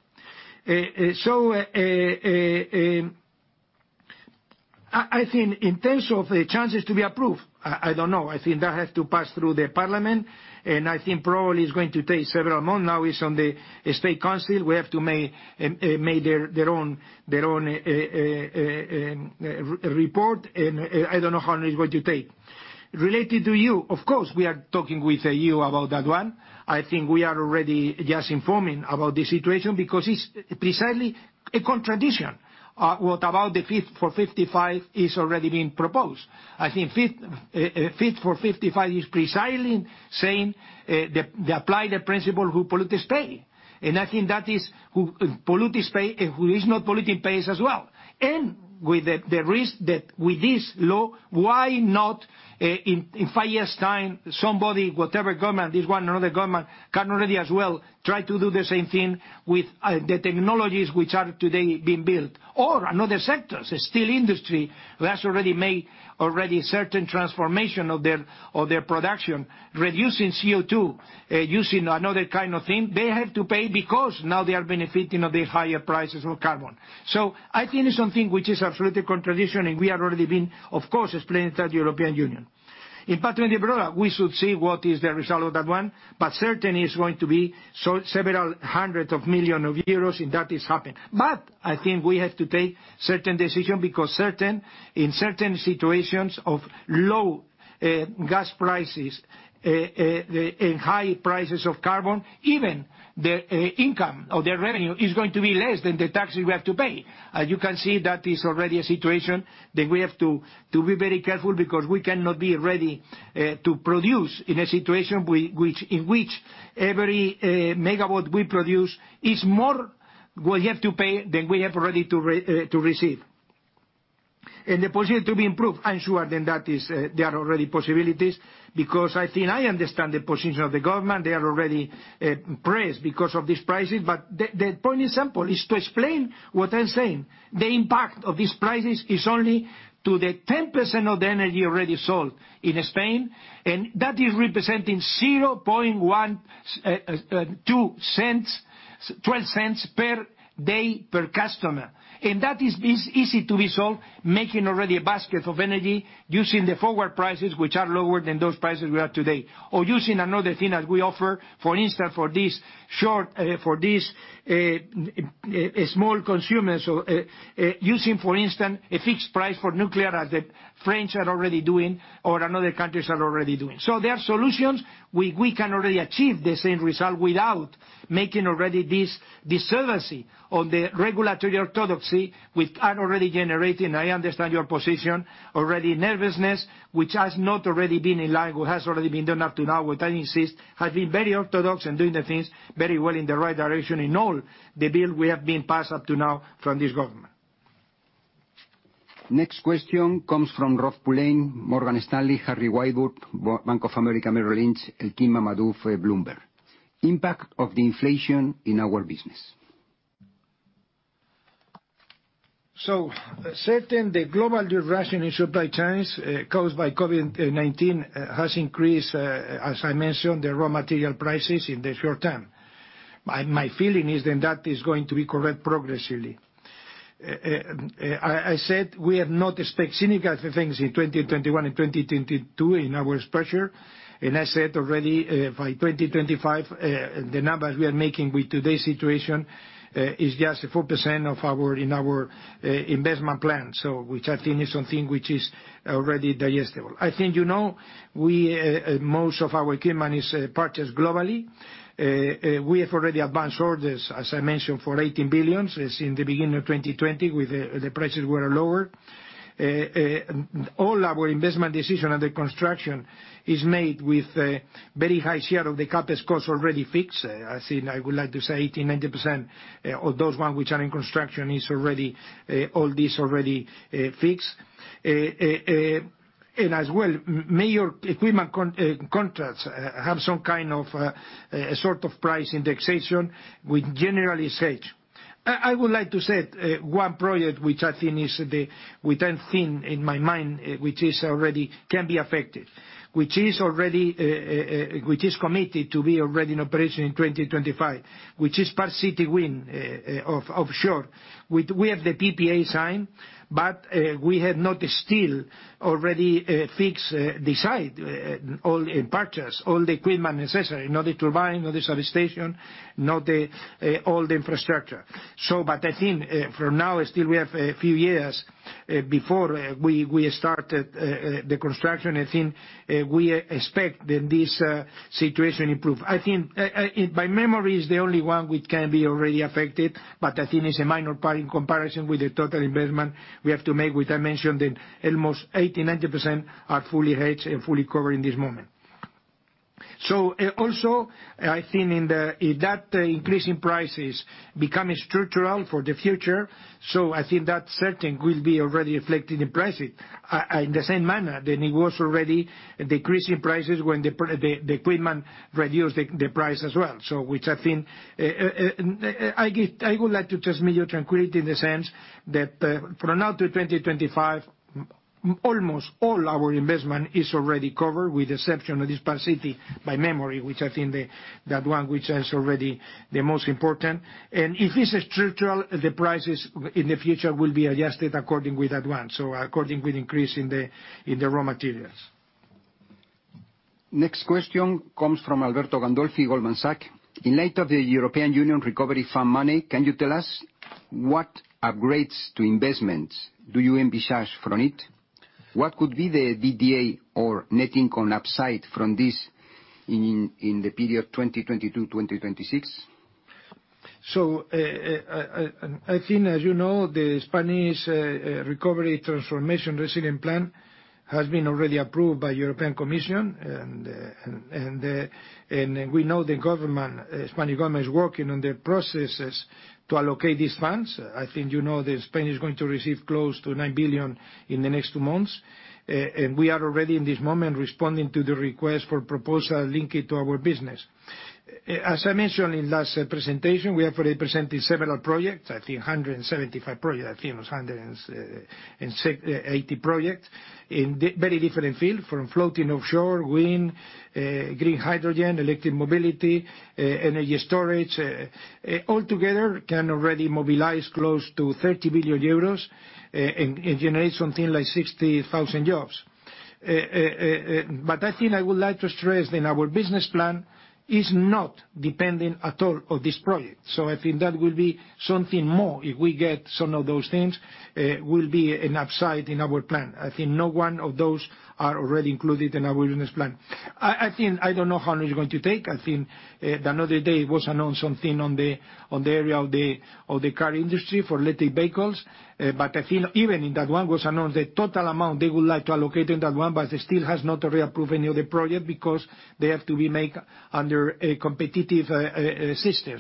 I think in terms of the chances to be approved, I don't know. I think that has to pass through the Parliament, and I think probably it's going to take several months. Now it's on the State Council. We have to make their own report. I don't know how long it's going to take. Related to you, of course, we are talking with you about that one. I think we are already just informing about the situation because it's precisely a contradiction. What about the Fit for 55 is already being proposed. I think Fit for 55 is precisely saying they apply the principle who pollutes, pays. I think that is who pollutes pays, who is not polluting pays as well. With this law, why not in five years' time, somebody, whatever government, this one or another government, can already as well try to do the same thing with the technologies which are today being built or another sector? Steel industry has already made certain transformation of their production, reducing CO2, using another kind of thing. They have to pay because now they are benefiting of the higher prices of carbon. I think it's something which is absolutely contradiction, and we have already been, of course, explaining to the European Union. In Iberdrola, we should see what is the result of that one, but certain it's going to be several hundred million euros if that is happening. I think we have to take certain decision because in certain situations of low gas prices, and high prices of carbon, even the income or the revenue is going to be less than the taxes we have to pay. You can see that is already a situation that we have to be very careful because we cannot be ready to produce in a situation in which every megawatt we produce is more we have to pay than we have ready to receive. The position to be improved, I'm sure then that there are already possibilities because I think I understand the position of the government. They are already pressed because of these prices, but the point is simple, is to explain what I'm saying. The impact of these prices is only to the 10% of the energy already sold in Spain, and that is representing 0.0012 per day per customer. That is easy to be solved, making already a basket of energy using the forward prices, which are lower than those prices we have today. Using another thing that we offer, for instance, for these small consumers, using, for instance, a fixed price for nuclear as the French are already doing or another countries are already doing. There are solutions. We can already achieve the same result without making already this disservice on the regulatory orthodoxy, which are already generating, I understand your position, already nervousness, which has not already been in line with what has already been done up to now, which I insist, has been very orthodox and doing the things very well in the right direction in all the bill we have been passed up to now from this government. Next question comes from Rob Pulleyn, Morgan Stanley, Harry Wyatt, Bank of America Merrill Lynch, and Elchin Mammadov for Bloomberg. Impact of the inflation in our business. The global disruption in supply chains caused by COVID-19 has increased, as I mentioned, the raw material prices in the short-term. My feeling is that is going to be correct progressively. I said we have not expect significant things in 2021 and 2022 in our structure. I said already by 2025, the numbers we are making with today's situation is just 4% in our investment plan. Which I think is something which is already digestible. I think you know most of our equipment is purchased globally. We have already advanced orders, as I mentioned, for 18 billion since the beginning of 2020, with the prices were lower. All our investment decision and the construction is made with a very high share of the CapEx cost already fixed. I think I would like to say 80%, 90% of those one which are in construction, all these already fixed. As well, major equipment contracts have some sort of price indexation with generally hedged. I would like to say one project which I think is the one thing in my mind which already can be affected, which is committed to be already in operation in 2025, which is Park City Wind offshore. We have the PPA signed, we have not still already fixed the site, all the purchase, all the equipment necessary, not the turbine, not the substation, not all the infrastructure. I think for now, still we have a few years before we start the construction. I think we expect that this situation improve. I think by memory is the only one which can be already affected, but I think it's a minor part in comparison with the total investment we have to make, which I mentioned almost 80%, 90% are fully hedged and fully covered in this moment. Also, I think if that increase in prices become structural for the future, I think that certain will be already reflected in pricing. In the same manner, it was already decreasing prices when the equipment reduced the price as well. I would like to transmit you tranquility in the sense that for now to 2025, almost all our investment is already covered with exception of this Park City, by memory, which I think that one which is already the most important. If it's structural, the prices in the future will be adjusted according with that one. According with increase in the raw materials. Next question comes from Alberto Gandolfi, Goldman Sachs. In light of the European Union Recovery Fund money, can you tell us what upgrades to investments do you envisage from it? What could be the D&A or net income upside from this in the period 2022-2026? As you know, the Spanish Recovery, Transformation and Resilience Plan has been already approved by European Commission. We know the Spanish government is working on the processes to allocate these funds. I think you know that Spain is going to receive close to 9 billion in the next 2 months. We are already, in this moment, responding to the request for proposal linked to our business. As I mentioned in last presentation, we have already presented several projects, I think 175 projects, I think it was 180 projects, in very different field, from floating offshore wind, green hydrogen, electric mobility, energy storage. All together can already mobilize close to 30 billion euros and generate something like 60,000 jobs. I think I would like to stress that our business plan is not dependent at all on this project. I think that will be something more, if we get some of those things, will be an upside in our plan. I think not one of those are already included in our business plan. I don't know how long it's going to take. I think another day it was announced something on the area of the car industry for electric vehicles. I think even in that one, it was announced the total amount they would like to allocate in that one, but they still has not already approved any other project because they have to be made under a competitive system.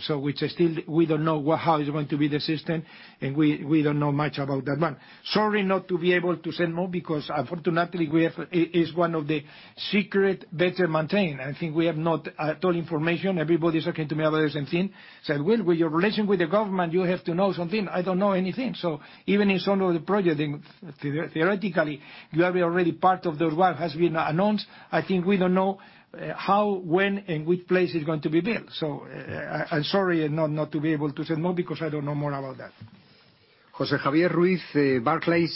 We don't know how is going to be the system, and we don't know much about that one. Sorry, not to be able to say more because unfortunately, it is one of the secret better maintained. I think we have not at all information. Everybody's talking to me about it and saying, "Well, with your relation with the government, you have to know something." I don't know anything. Even in some of the projects, theoretically, you are already part of what has been announced, I think we don't know how, when, and which place it's going to be built. I'm sorry not to be able to say more because I don't know more about that. José Javier Ruiz, Barclays,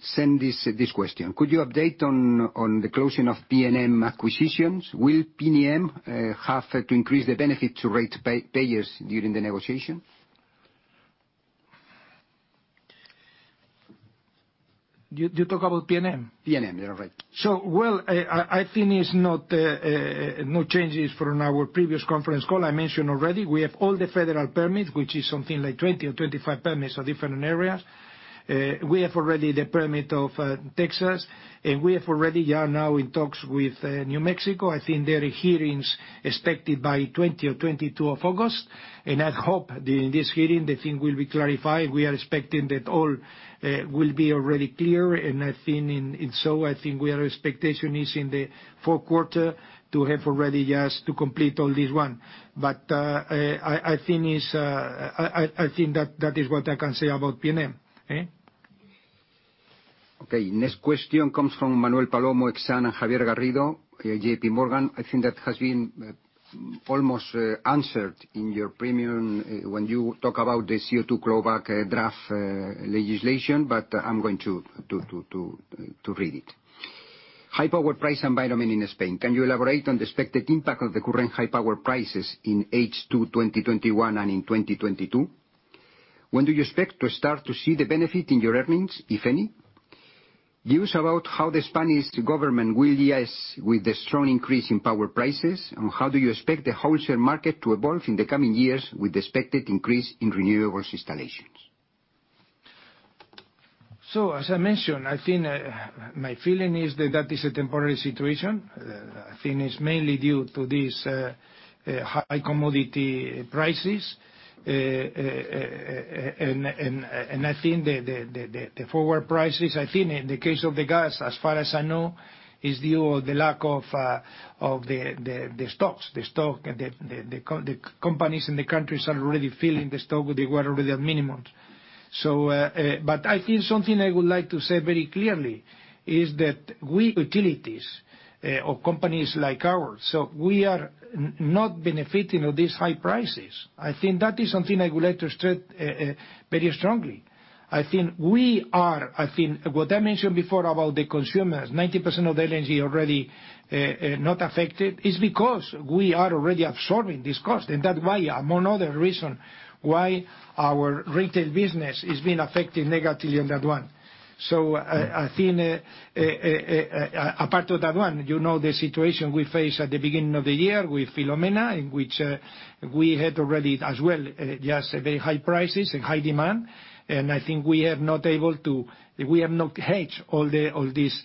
send this question. Could you update on the closing of PNM acquisitions? Will PNM have to increase the benefit to rate payers during the negotiation? You talk about PNM? PNM. Yeah, right. Well, I think it's no changes from our previous conference call. I mentioned already, we have all the federal permits, which is something like 20 or 25 permits of different areas. We have already the permit of Texas, and we have already are now in talks with New Mexico. I think there are hearings expected by 20 or 22 of August. I hope that in this hearing, the thing will be clarified. We are expecting that all will be already clear. I think our expectation is in the fourth quarter to have already just to complete all this one. I think that is what I can say about PNM. Okay. Next question comes from Manuel Palomo, Exane, and Javier Garrido, JPMorgan. I think that has been almost answered in your premium when you talk about the CO2 global draft legislation, but I'm going to read it. High power price environment in Spain. Can you elaborate on the expected impact of the current high power prices in H2 2021 and in 2022? When do you expect to start to see the benefit in your earnings, if any? Views about how the Spanish government will deal with the strong increase in power prices and how do you expect the wholesale market to evolve in the coming years with the expected increase in renewables installations? As I mentioned, I think my feeling is that is a temporary situation. I think it's mainly due to these high commodity prices, and I think the forward prices, I think in the case of the gas, as far as I know, is due to the lack of the stocks. The companies and the countries are already filling the stock. They were already at minimum. I think something I would like to say very clearly is that we utilities or companies like ours, so we are not benefiting of these high prices. I think that is something I would like to state very strongly. I think what I mentioned before about the consumers, 90% of the LNG already not affected, is because we are already absorbing this cost. That's why, among other reason, why our retail business is being affected negatively in that one. I think apart of that one, you know the situation we faced at the beginning of the year with Filomena, in which we had already as well, just very high prices and high demand. I think we have not hedged all this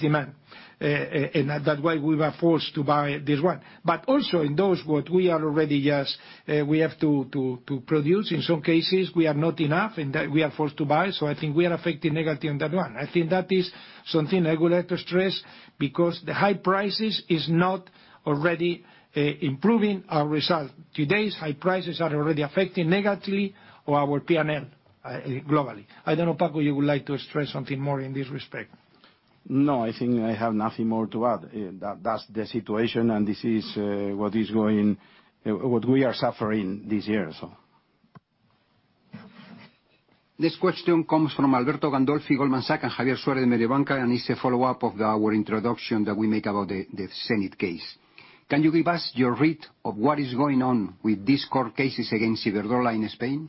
demand, and that's why we were forced to buy this one. Also in those what we are already just, we have to produce, in some cases, we are not enough, and we are forced to buy. I think we are affected negatively on that one. I think that is something I would like to stress because the high prices is not already improving our result. Today's high prices are already affecting negatively our P&L globally. I don't know, Paco, you would like to stress something more in this respect? No, I think I have nothing more to add. That's the situation, and this is what we are suffering this year. Next question comes from Alberto Gandolfi, Goldman Sachs, and Javier Suarez, Mediobanca, and it's a follow-up of our introduction that we make about the Cenyt case. Can you give us your read of what is going on with these court cases against Iberdrola in Spain?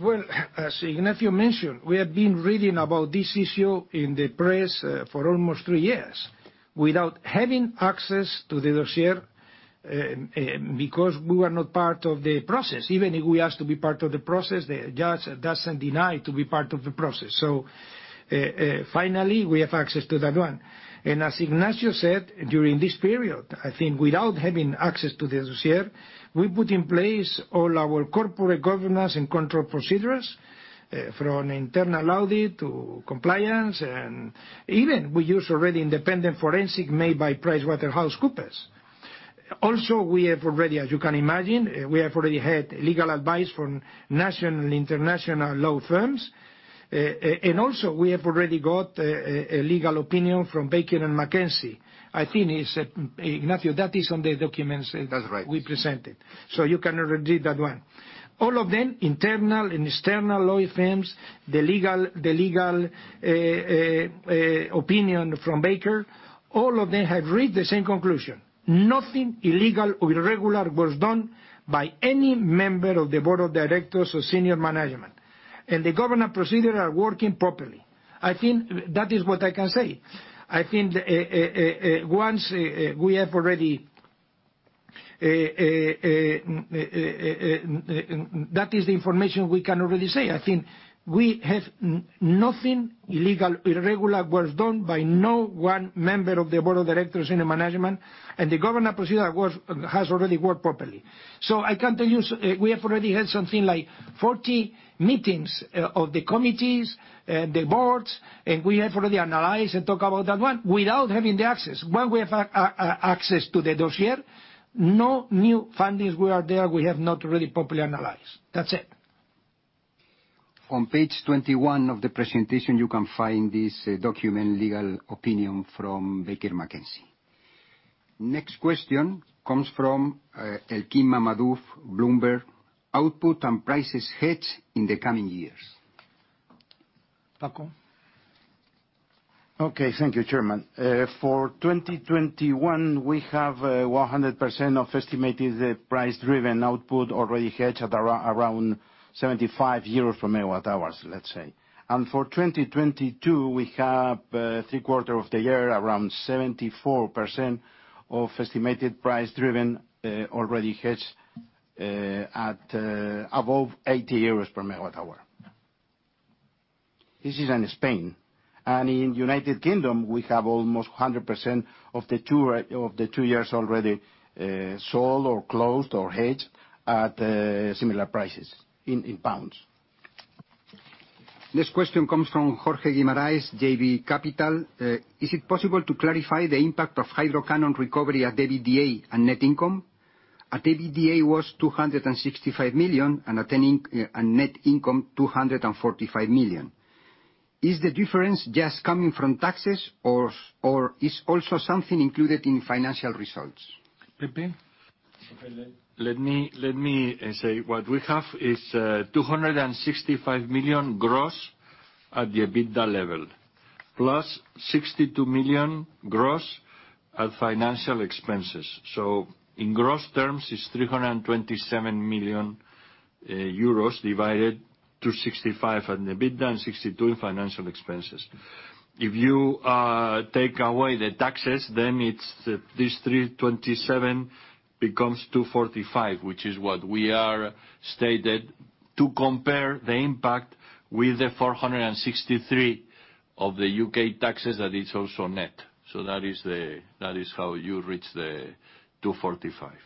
Well, as Ignacio mentioned, we have been reading about this issue in the press for almost three years without having access to the dossier, because we were not part of the process. Even if we asked to be part of the process, the judge doesn't deny to be part of the process. Finally, we have access to that one. As Ignacio said, during this period, I think without having access to the dossier, we put in place all our corporate governance and control procedures, from internal audit to compliance, and even we use already independent forensic made by PricewaterhouseCoopers. As you can imagine, we have already had legal advice from national and international law firms. Also we have already got a legal opinion from Baker McKenzie. I think, Ignacio, that is on the documents. That's right. We presented. You can read that one. All of them, internal and external law firms, the legal opinion from Baker, all of them have reached the same conclusion. Nothing illegal or irregular was done by any member of the Board of Directors or senior management. The governance procedures are working properly. I think that is what I can say. I think that is the information we can already say. I think nothing illegal, irregular was done by no one member of the board of directors, senior management, and the governance procedure has already worked properly. I can tell you, we have already had something like 40 meetings of the committees, the Boards, and we have already analyzed and talked about that one without having the access. When we have access to the dossier, no new findings were there we have not really properly analyzed. That's it. On page 21 of the presentation, you can find this document legal opinion from Baker McKenzie. Next question comes from Elchin Mammadov, Bloomberg. Output and prices hedged in the coming years. Paco? Okay. Thank you, Chairman. For 2021, we have 100% of estimated price-driven output already hedged at around 75 euros per MWh, let's say. For 2022, we have three-quarter of the year around 74% of estimated price-driven already hedged at above EUR 80 per MWh. This is in Spain. In the U.K., we have almost 100% of the two years already sold or closed or hedged at similar prices in pounds. Next question comes from Jorge Guimarães, JB Capital. Is it possible to clarify the impact of hydro canon on recovery at EBITDA and net income? At EBITDA was 265 million and net income 245 million. Is the difference just coming from taxes, or is also something included in financial results? Pepe? Okay. Let me say what we have is 265 million gross at the EBITDA level, +62 million gross at financial expenses. In gross terms, it's 327 million euros divided, 265 million at EBITDA and 62 million in financial expenses. If you take away the taxes, this 327 million becomes 245 million, which is what we stated to compare the impact with the 463 million of the U.K. taxes that is also net. That is how you reach the 245 million.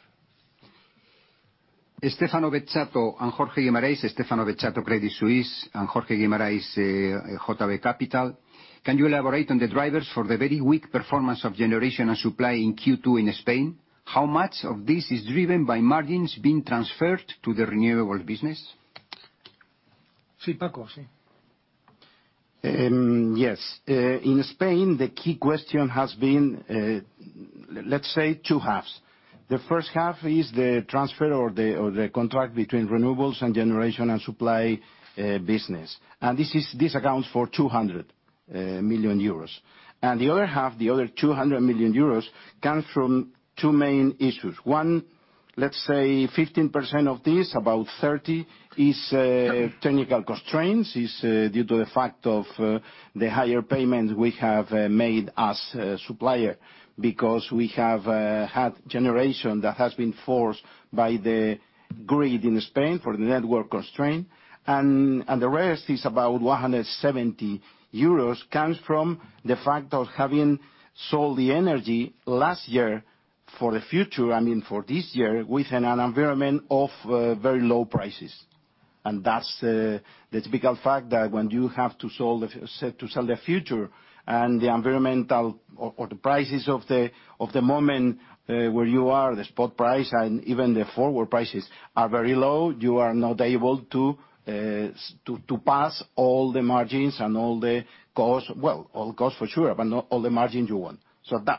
Stefano Bezzato and Jorge Guimarães. Stefano Bezzato, Credit Suisse, and Jorge Guimarães, JB Capital. Can you elaborate on the drivers for the very weak performance of generation and supply in Q2 in Spain? How much of this is driven by margins being transferred to the renewable business? Paco. Yes. In Spain, the key question has been, let's say two halves. The first half is the transfer or the contract between renewables and generation and supply business. This accounts for 200 million euros. The other half, the other 200 million euros, comes from two main issues. One, let's say 15% of this, about 30% is technical constraints, is due to the fact of the higher payments we have made as a supplier because we have had generation that has been forced by the grid in Spain for the network constraint. The rest is about 170 euros, comes from the fact of having sold the energy last year for the future, I mean for this year, within an environment of very low prices. That's the typical fact that when you have to sell the future, and the environmental or the prices of the moment where you are, the spot price and even the forward prices are very low, you are not able to pass all the margins and all the cost, well, all cost for sure, but not all the margins you want.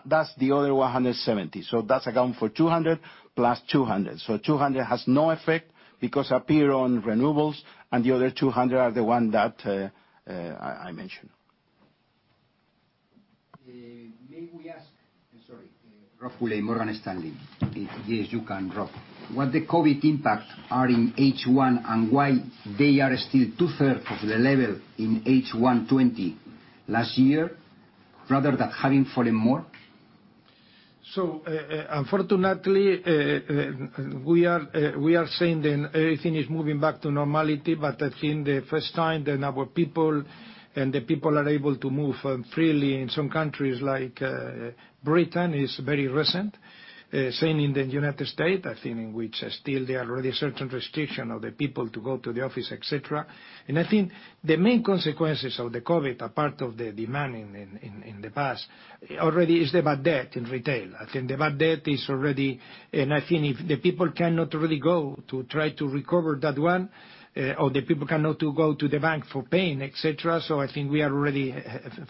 That's the other 170. That's account for 200 + 200. 200 has no effect because appear on renewables and the other 200 are the one that I mentioned. May we ask, sorry, Rob Pulleyn, Morgan Stanley. Yes, you can, Rob. What the COVID impacts are in H1 and why they are still 2/3 of the level in H1 2020 last year, rather than having fallen more? Unfortunately, we are saying that everything is moving back to normality, but I think the first time that our people and the people are able to move freely in some countries, like Britain, is very recent. Same in the United States., I think, in which still there are certain restrictions of the people to go to the office, et cetera. I think the main consequences of the COVID, apart from the demand in the past, already is the bad debt in retail. I think the bad debt is already. I think if the people cannot really go to try to recover that one, or the people cannot go to the bank for paying, et cetera. I think we are already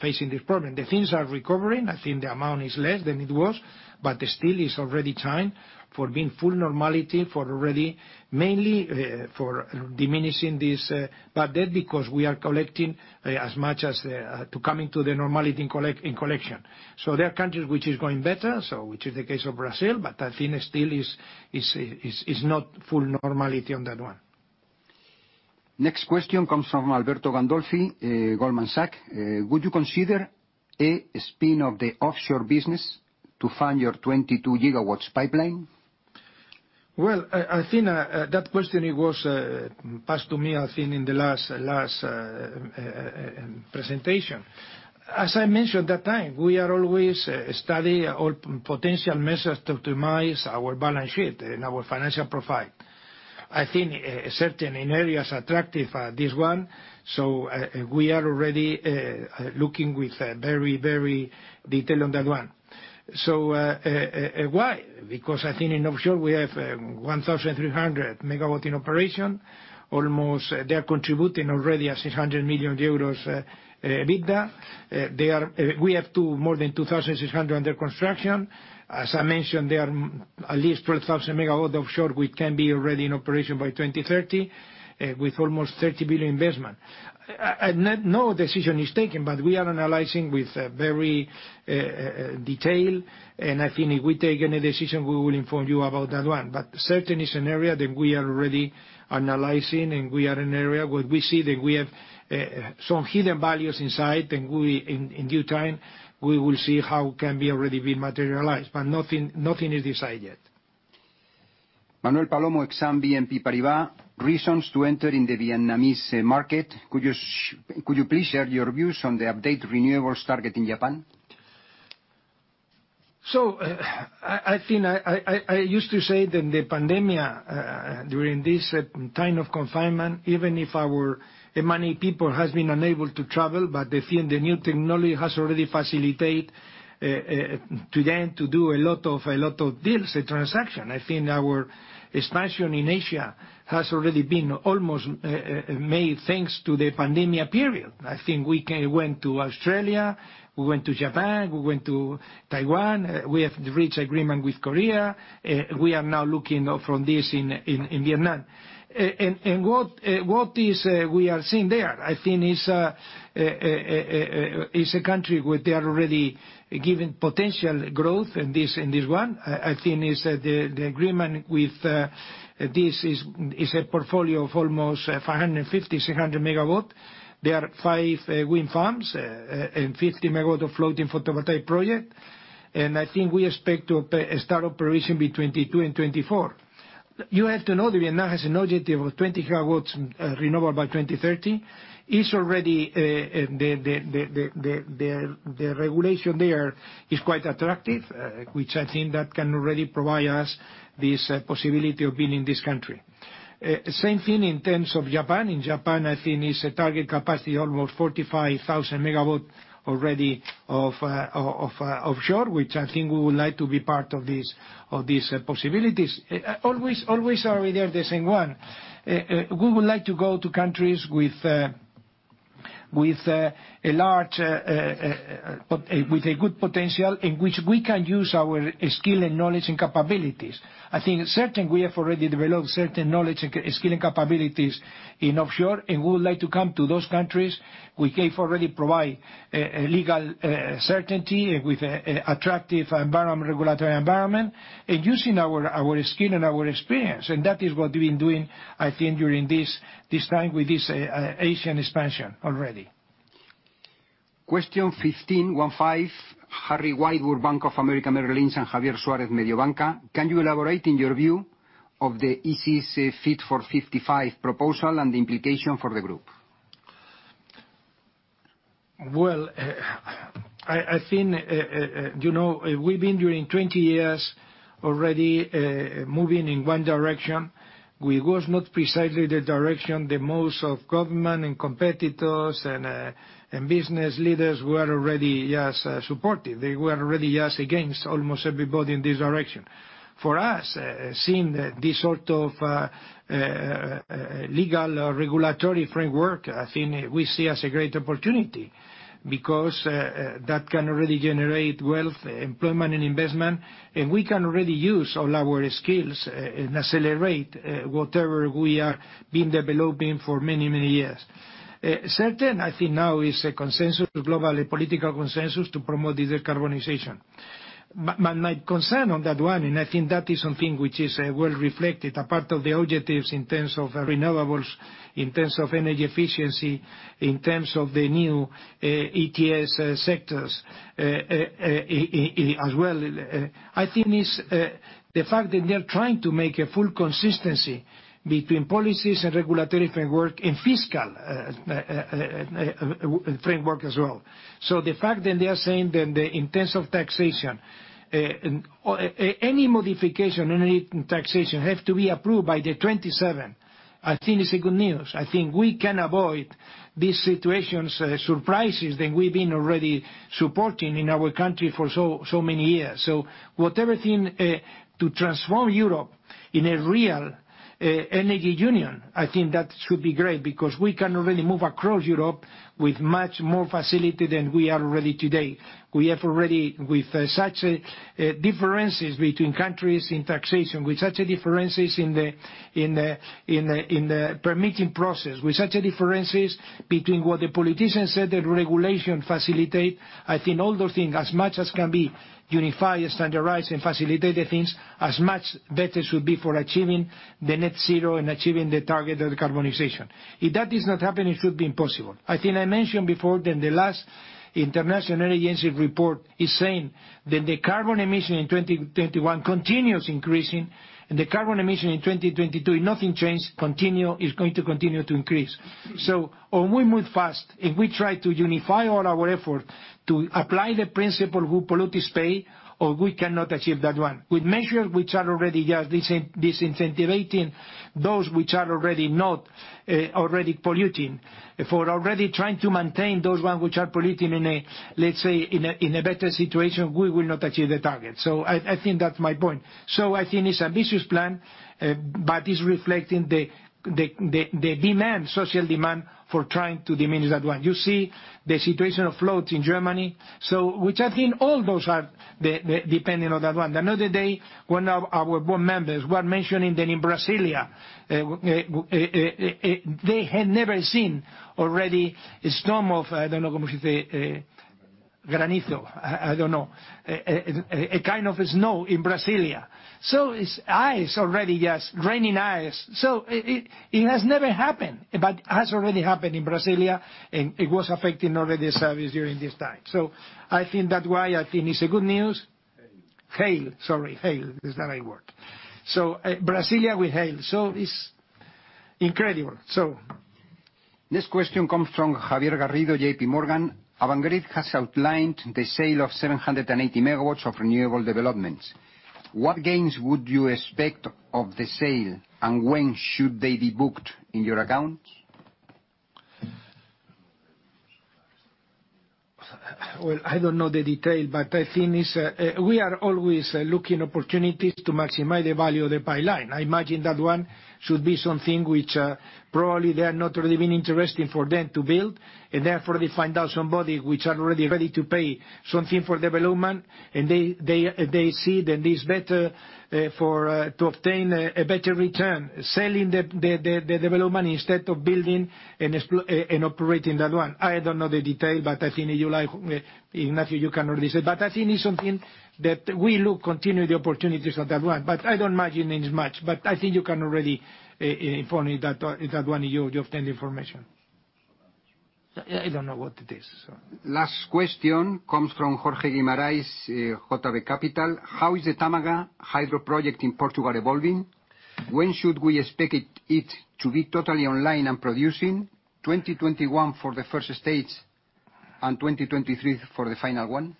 facing this problem. The things are recovering. I think the amount is less than it was, but still it's already time for being full normality, mainly for diminishing this bad debt because we are collecting as much as to come to normality in collection. There are countries which are going better, which is the case of Brazil, but I think still it's not full normality on that one. Next question comes from Alberto Gandolfi, Goldman Sachs. Would you consider a spin of the offshore business to fund your 22 GW pipeline? Well, I think that question, it was passed to me, I think, in the last presentation. As I mentioned that time, we are always studying all potential measures to optimize our balance sheet and our financial profile. I think certain areas attractive, this one, so we are already looking with very detailed on that one. Why? I think in offshore, we have 1,300 MW in operation. They're contributing already EUR 600 million EBITDA. We have more than 2,600 MW under construction. As I mentioned, there are at least 4,000 MW offshore, which can be already in operation by 2030, with almost 30 billion investment. No decision is taken, but we are analyzing with very detail, and I think if we take any decision, we will inform you about that one. Certainly it's an area that we are already analyzing, and we are in an area where we see that we have some hidden values inside, and in due time, we will see how can be already being materialized. Nothing is decided yet. Reasons to enter in the Vietnamese market? Could you please share your views on the updated renewables target in Japan? I used to say that the pandemic, during this time of confinement, even if many people has been unable to travel, but I think the new technology has already facilitate to them to do a lot of deals and transaction. I think our expansion in Asia has already been almost made thanks to the pandemic period. I think we went to Australia, we went to Japan, we went to Taiwan. We have reached agreement with Korea. We are now looking for this in Vietnam. What is we are seeing there? I think it's a country where they are already giving potential growth in this one. I think the agreement with this is a portfolio of almost 550 MW-600 MW. There are five wind farms and 50 MW of floating photovoltaic project. I think we expect to start operation between 2022 and 2024. You have to know, Vietnam has an objective of 20 GW renewable by 2030. The regulation there is quite attractive, which I think that can already provide us this possibility of being in this country. Same thing in terms of Japan. In Japan, I think it's a target capacity almost 45,000 MW already offshore, which I think we would like to be part of these possibilities. Always are there the same one. We would like to go to countries with a good potential in which we can use our skill and knowledge and capabilities. I think certain we have already developed certain knowledge and skill and capabilities in offshore, and we would like to come to those countries which have already provide legal certainty and with attractive regulatory environment, and using our skill and our experience. That is what we've been doing, I think, during this time with this Asian expansion already. Question 15, Harry Wildwood, Bank of America Merrill Lynch, and Javier Suarez, Mediobanca. Can you elaborate in your view of the EC Fit for 55 proposal and the implication for the group? Well, I think, we've been during 20 years already moving in one direction, which was not precisely the direction that most of government and competitors and business leaders were already as supportive. They were already as against almost everybody in this direction. For us, seeing this sort of legal regulatory framework, I think we see as a great opportunity because that can really generate wealth, employment, and investment, and we can really use all our skills and accelerate whatever we are been developing for many, many years. Certain, I think now is a consensus, global political consensus, to promote this decarbonization. My concern on that one, and I think that is something which is well reflected, a part of the objectives in terms of renewables, in terms of energy efficiency, in terms of the new ETS sectors, as well. I think it's the fact that they're trying to make a full consistency between policies and regulatory framework and fiscal framework as well. The fact that they're saying that in terms of taxation, any modification in taxation has to be approved by the 27, I think is good news. I think we can avoid these situations, surprises that we've been already supporting in our country for so many years. Whatever thing to transform Europe in a real energy union, I think that should be great, because we can already move across Europe with much more facility than we are already today. We have already, with such differences between countries in taxation, with such differences in the permitting process, with such differences between what the politicians said that regulation facilitate, I think all those things, as much as can be unified, standardized, and facilitate the things, as much better should be for achieving the net zero and achieving the target of the decarbonization. If that does not happen, it should be impossible. I think I mentioned before that the last International Energy Agency report is saying that the carbon emission in 2021 continues increasing, and the carbon emission in 2022, if nothing changes, is going to continue to increase. When we move fast, if we try to unify all our effort to apply the principle who pollutes pays, or we cannot achieve that one. With measures which are already just disincentivizing those which are already polluting. For already trying to maintain those ones which are polluting in a better situation, we will not achieve the target. I think that is my point. I think it is an ambitious plan, but it is reflecting the demand, social demand, for trying to diminish that one. You see the situation of floods in Germany. I think all those are depending on that one. Another day, one of our board members was mentioning that in Brasília, they had never seen already a storm of, I don't know how to say, granizo. I don't know. A kind of snow in Brasília. It is ice already, yes, raining ice. It has never happened, but it has already happened in Brasília, and it was affecting already the service during this time. I think that is why I think it is a good news. Hail. Hail, sorry. Hail is the right word. Brasilia with hail. It's incredible. Next question comes from Javier Garrido, JPMorgan. Iberdrola has outlined the sale of 780 MW of renewable developments. What gains would you expect of the sale, and when should they be booked in your account? I don't know the detail, but I think we are always looking opportunities to maximize the value of the pipeline. I imagine that one should be something which probably they are not really been interesting for them to build, and therefore they find out somebody which are already ready to pay something for development, and they see that it is better to obtain a better return selling the development instead of building and operating that one. I don't know the detail, but I think, Ignacio, you can already say. I think it's something that we look continually the opportunities of that one. I don't imagine it is much. I think you can already inform me that one, you obtain the information. I don't know what it is. Last question comes from Jorge Guimarães, JB Capital. "How is the Tâmega hydro project in Portugal evolving? When should we expect it to be totally online and producing? 2021 for the first stage and 2023 for the final one?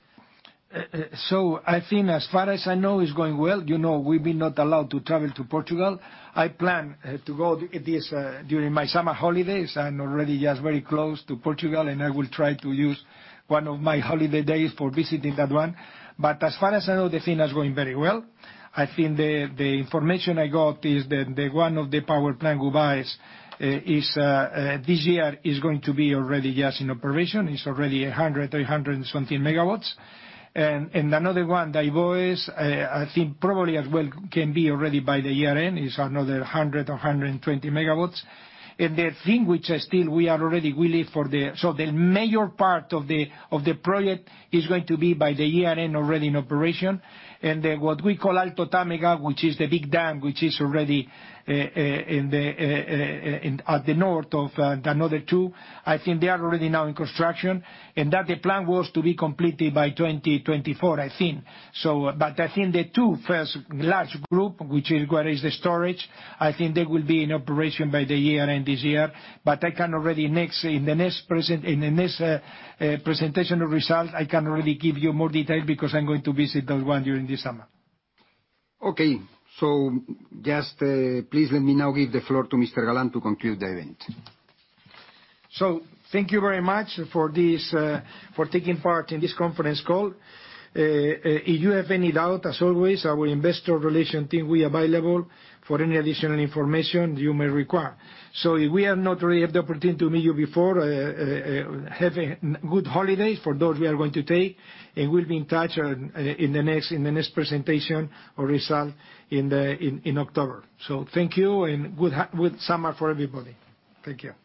I think as far as I know, it's going well. You know we've been not allowed to travel to Portugal. I plan to go this during my summer holidays. I'm already just very close to Portugal, and I will try to use one of my holiday days for visiting that one. As far as I know, the thing is going very well. I think the information I got is that one of the power plant Gouvães, this year, is going to be already just in operation. It's already 100 MW, 120 MW. Another one, Daivões, I think probably as well can be already by the year-end. It's another 100 MW, 120 MW. The thing which still we are ready, the major part of the project is going to be by the year-end already in operation. What we call Alto Tâmega, which is the big dam, which is already at the north of another two, I think they are already now in construction, and that the plan was to be completed by 2024, I think. I think the two first large group, which is what is the storage, I think they will be in operation by the year-end this year. I can already in the next presentation of results, I can already give you more detail because I'm going to visit that one during the summer. Okay. Just please let me now give the floor to Mr. Galán to conclude the event. Thank you very much for taking part in this conference call. If you have any doubt, as always, our investor relations team, we are available for any additional information you may require. If we have not already had the opportunity to meet you before, have a good holiday for those we are going to take, and we'll be in touch in the next presentation or result in October. Thank you and good summer for everybody. Thank you.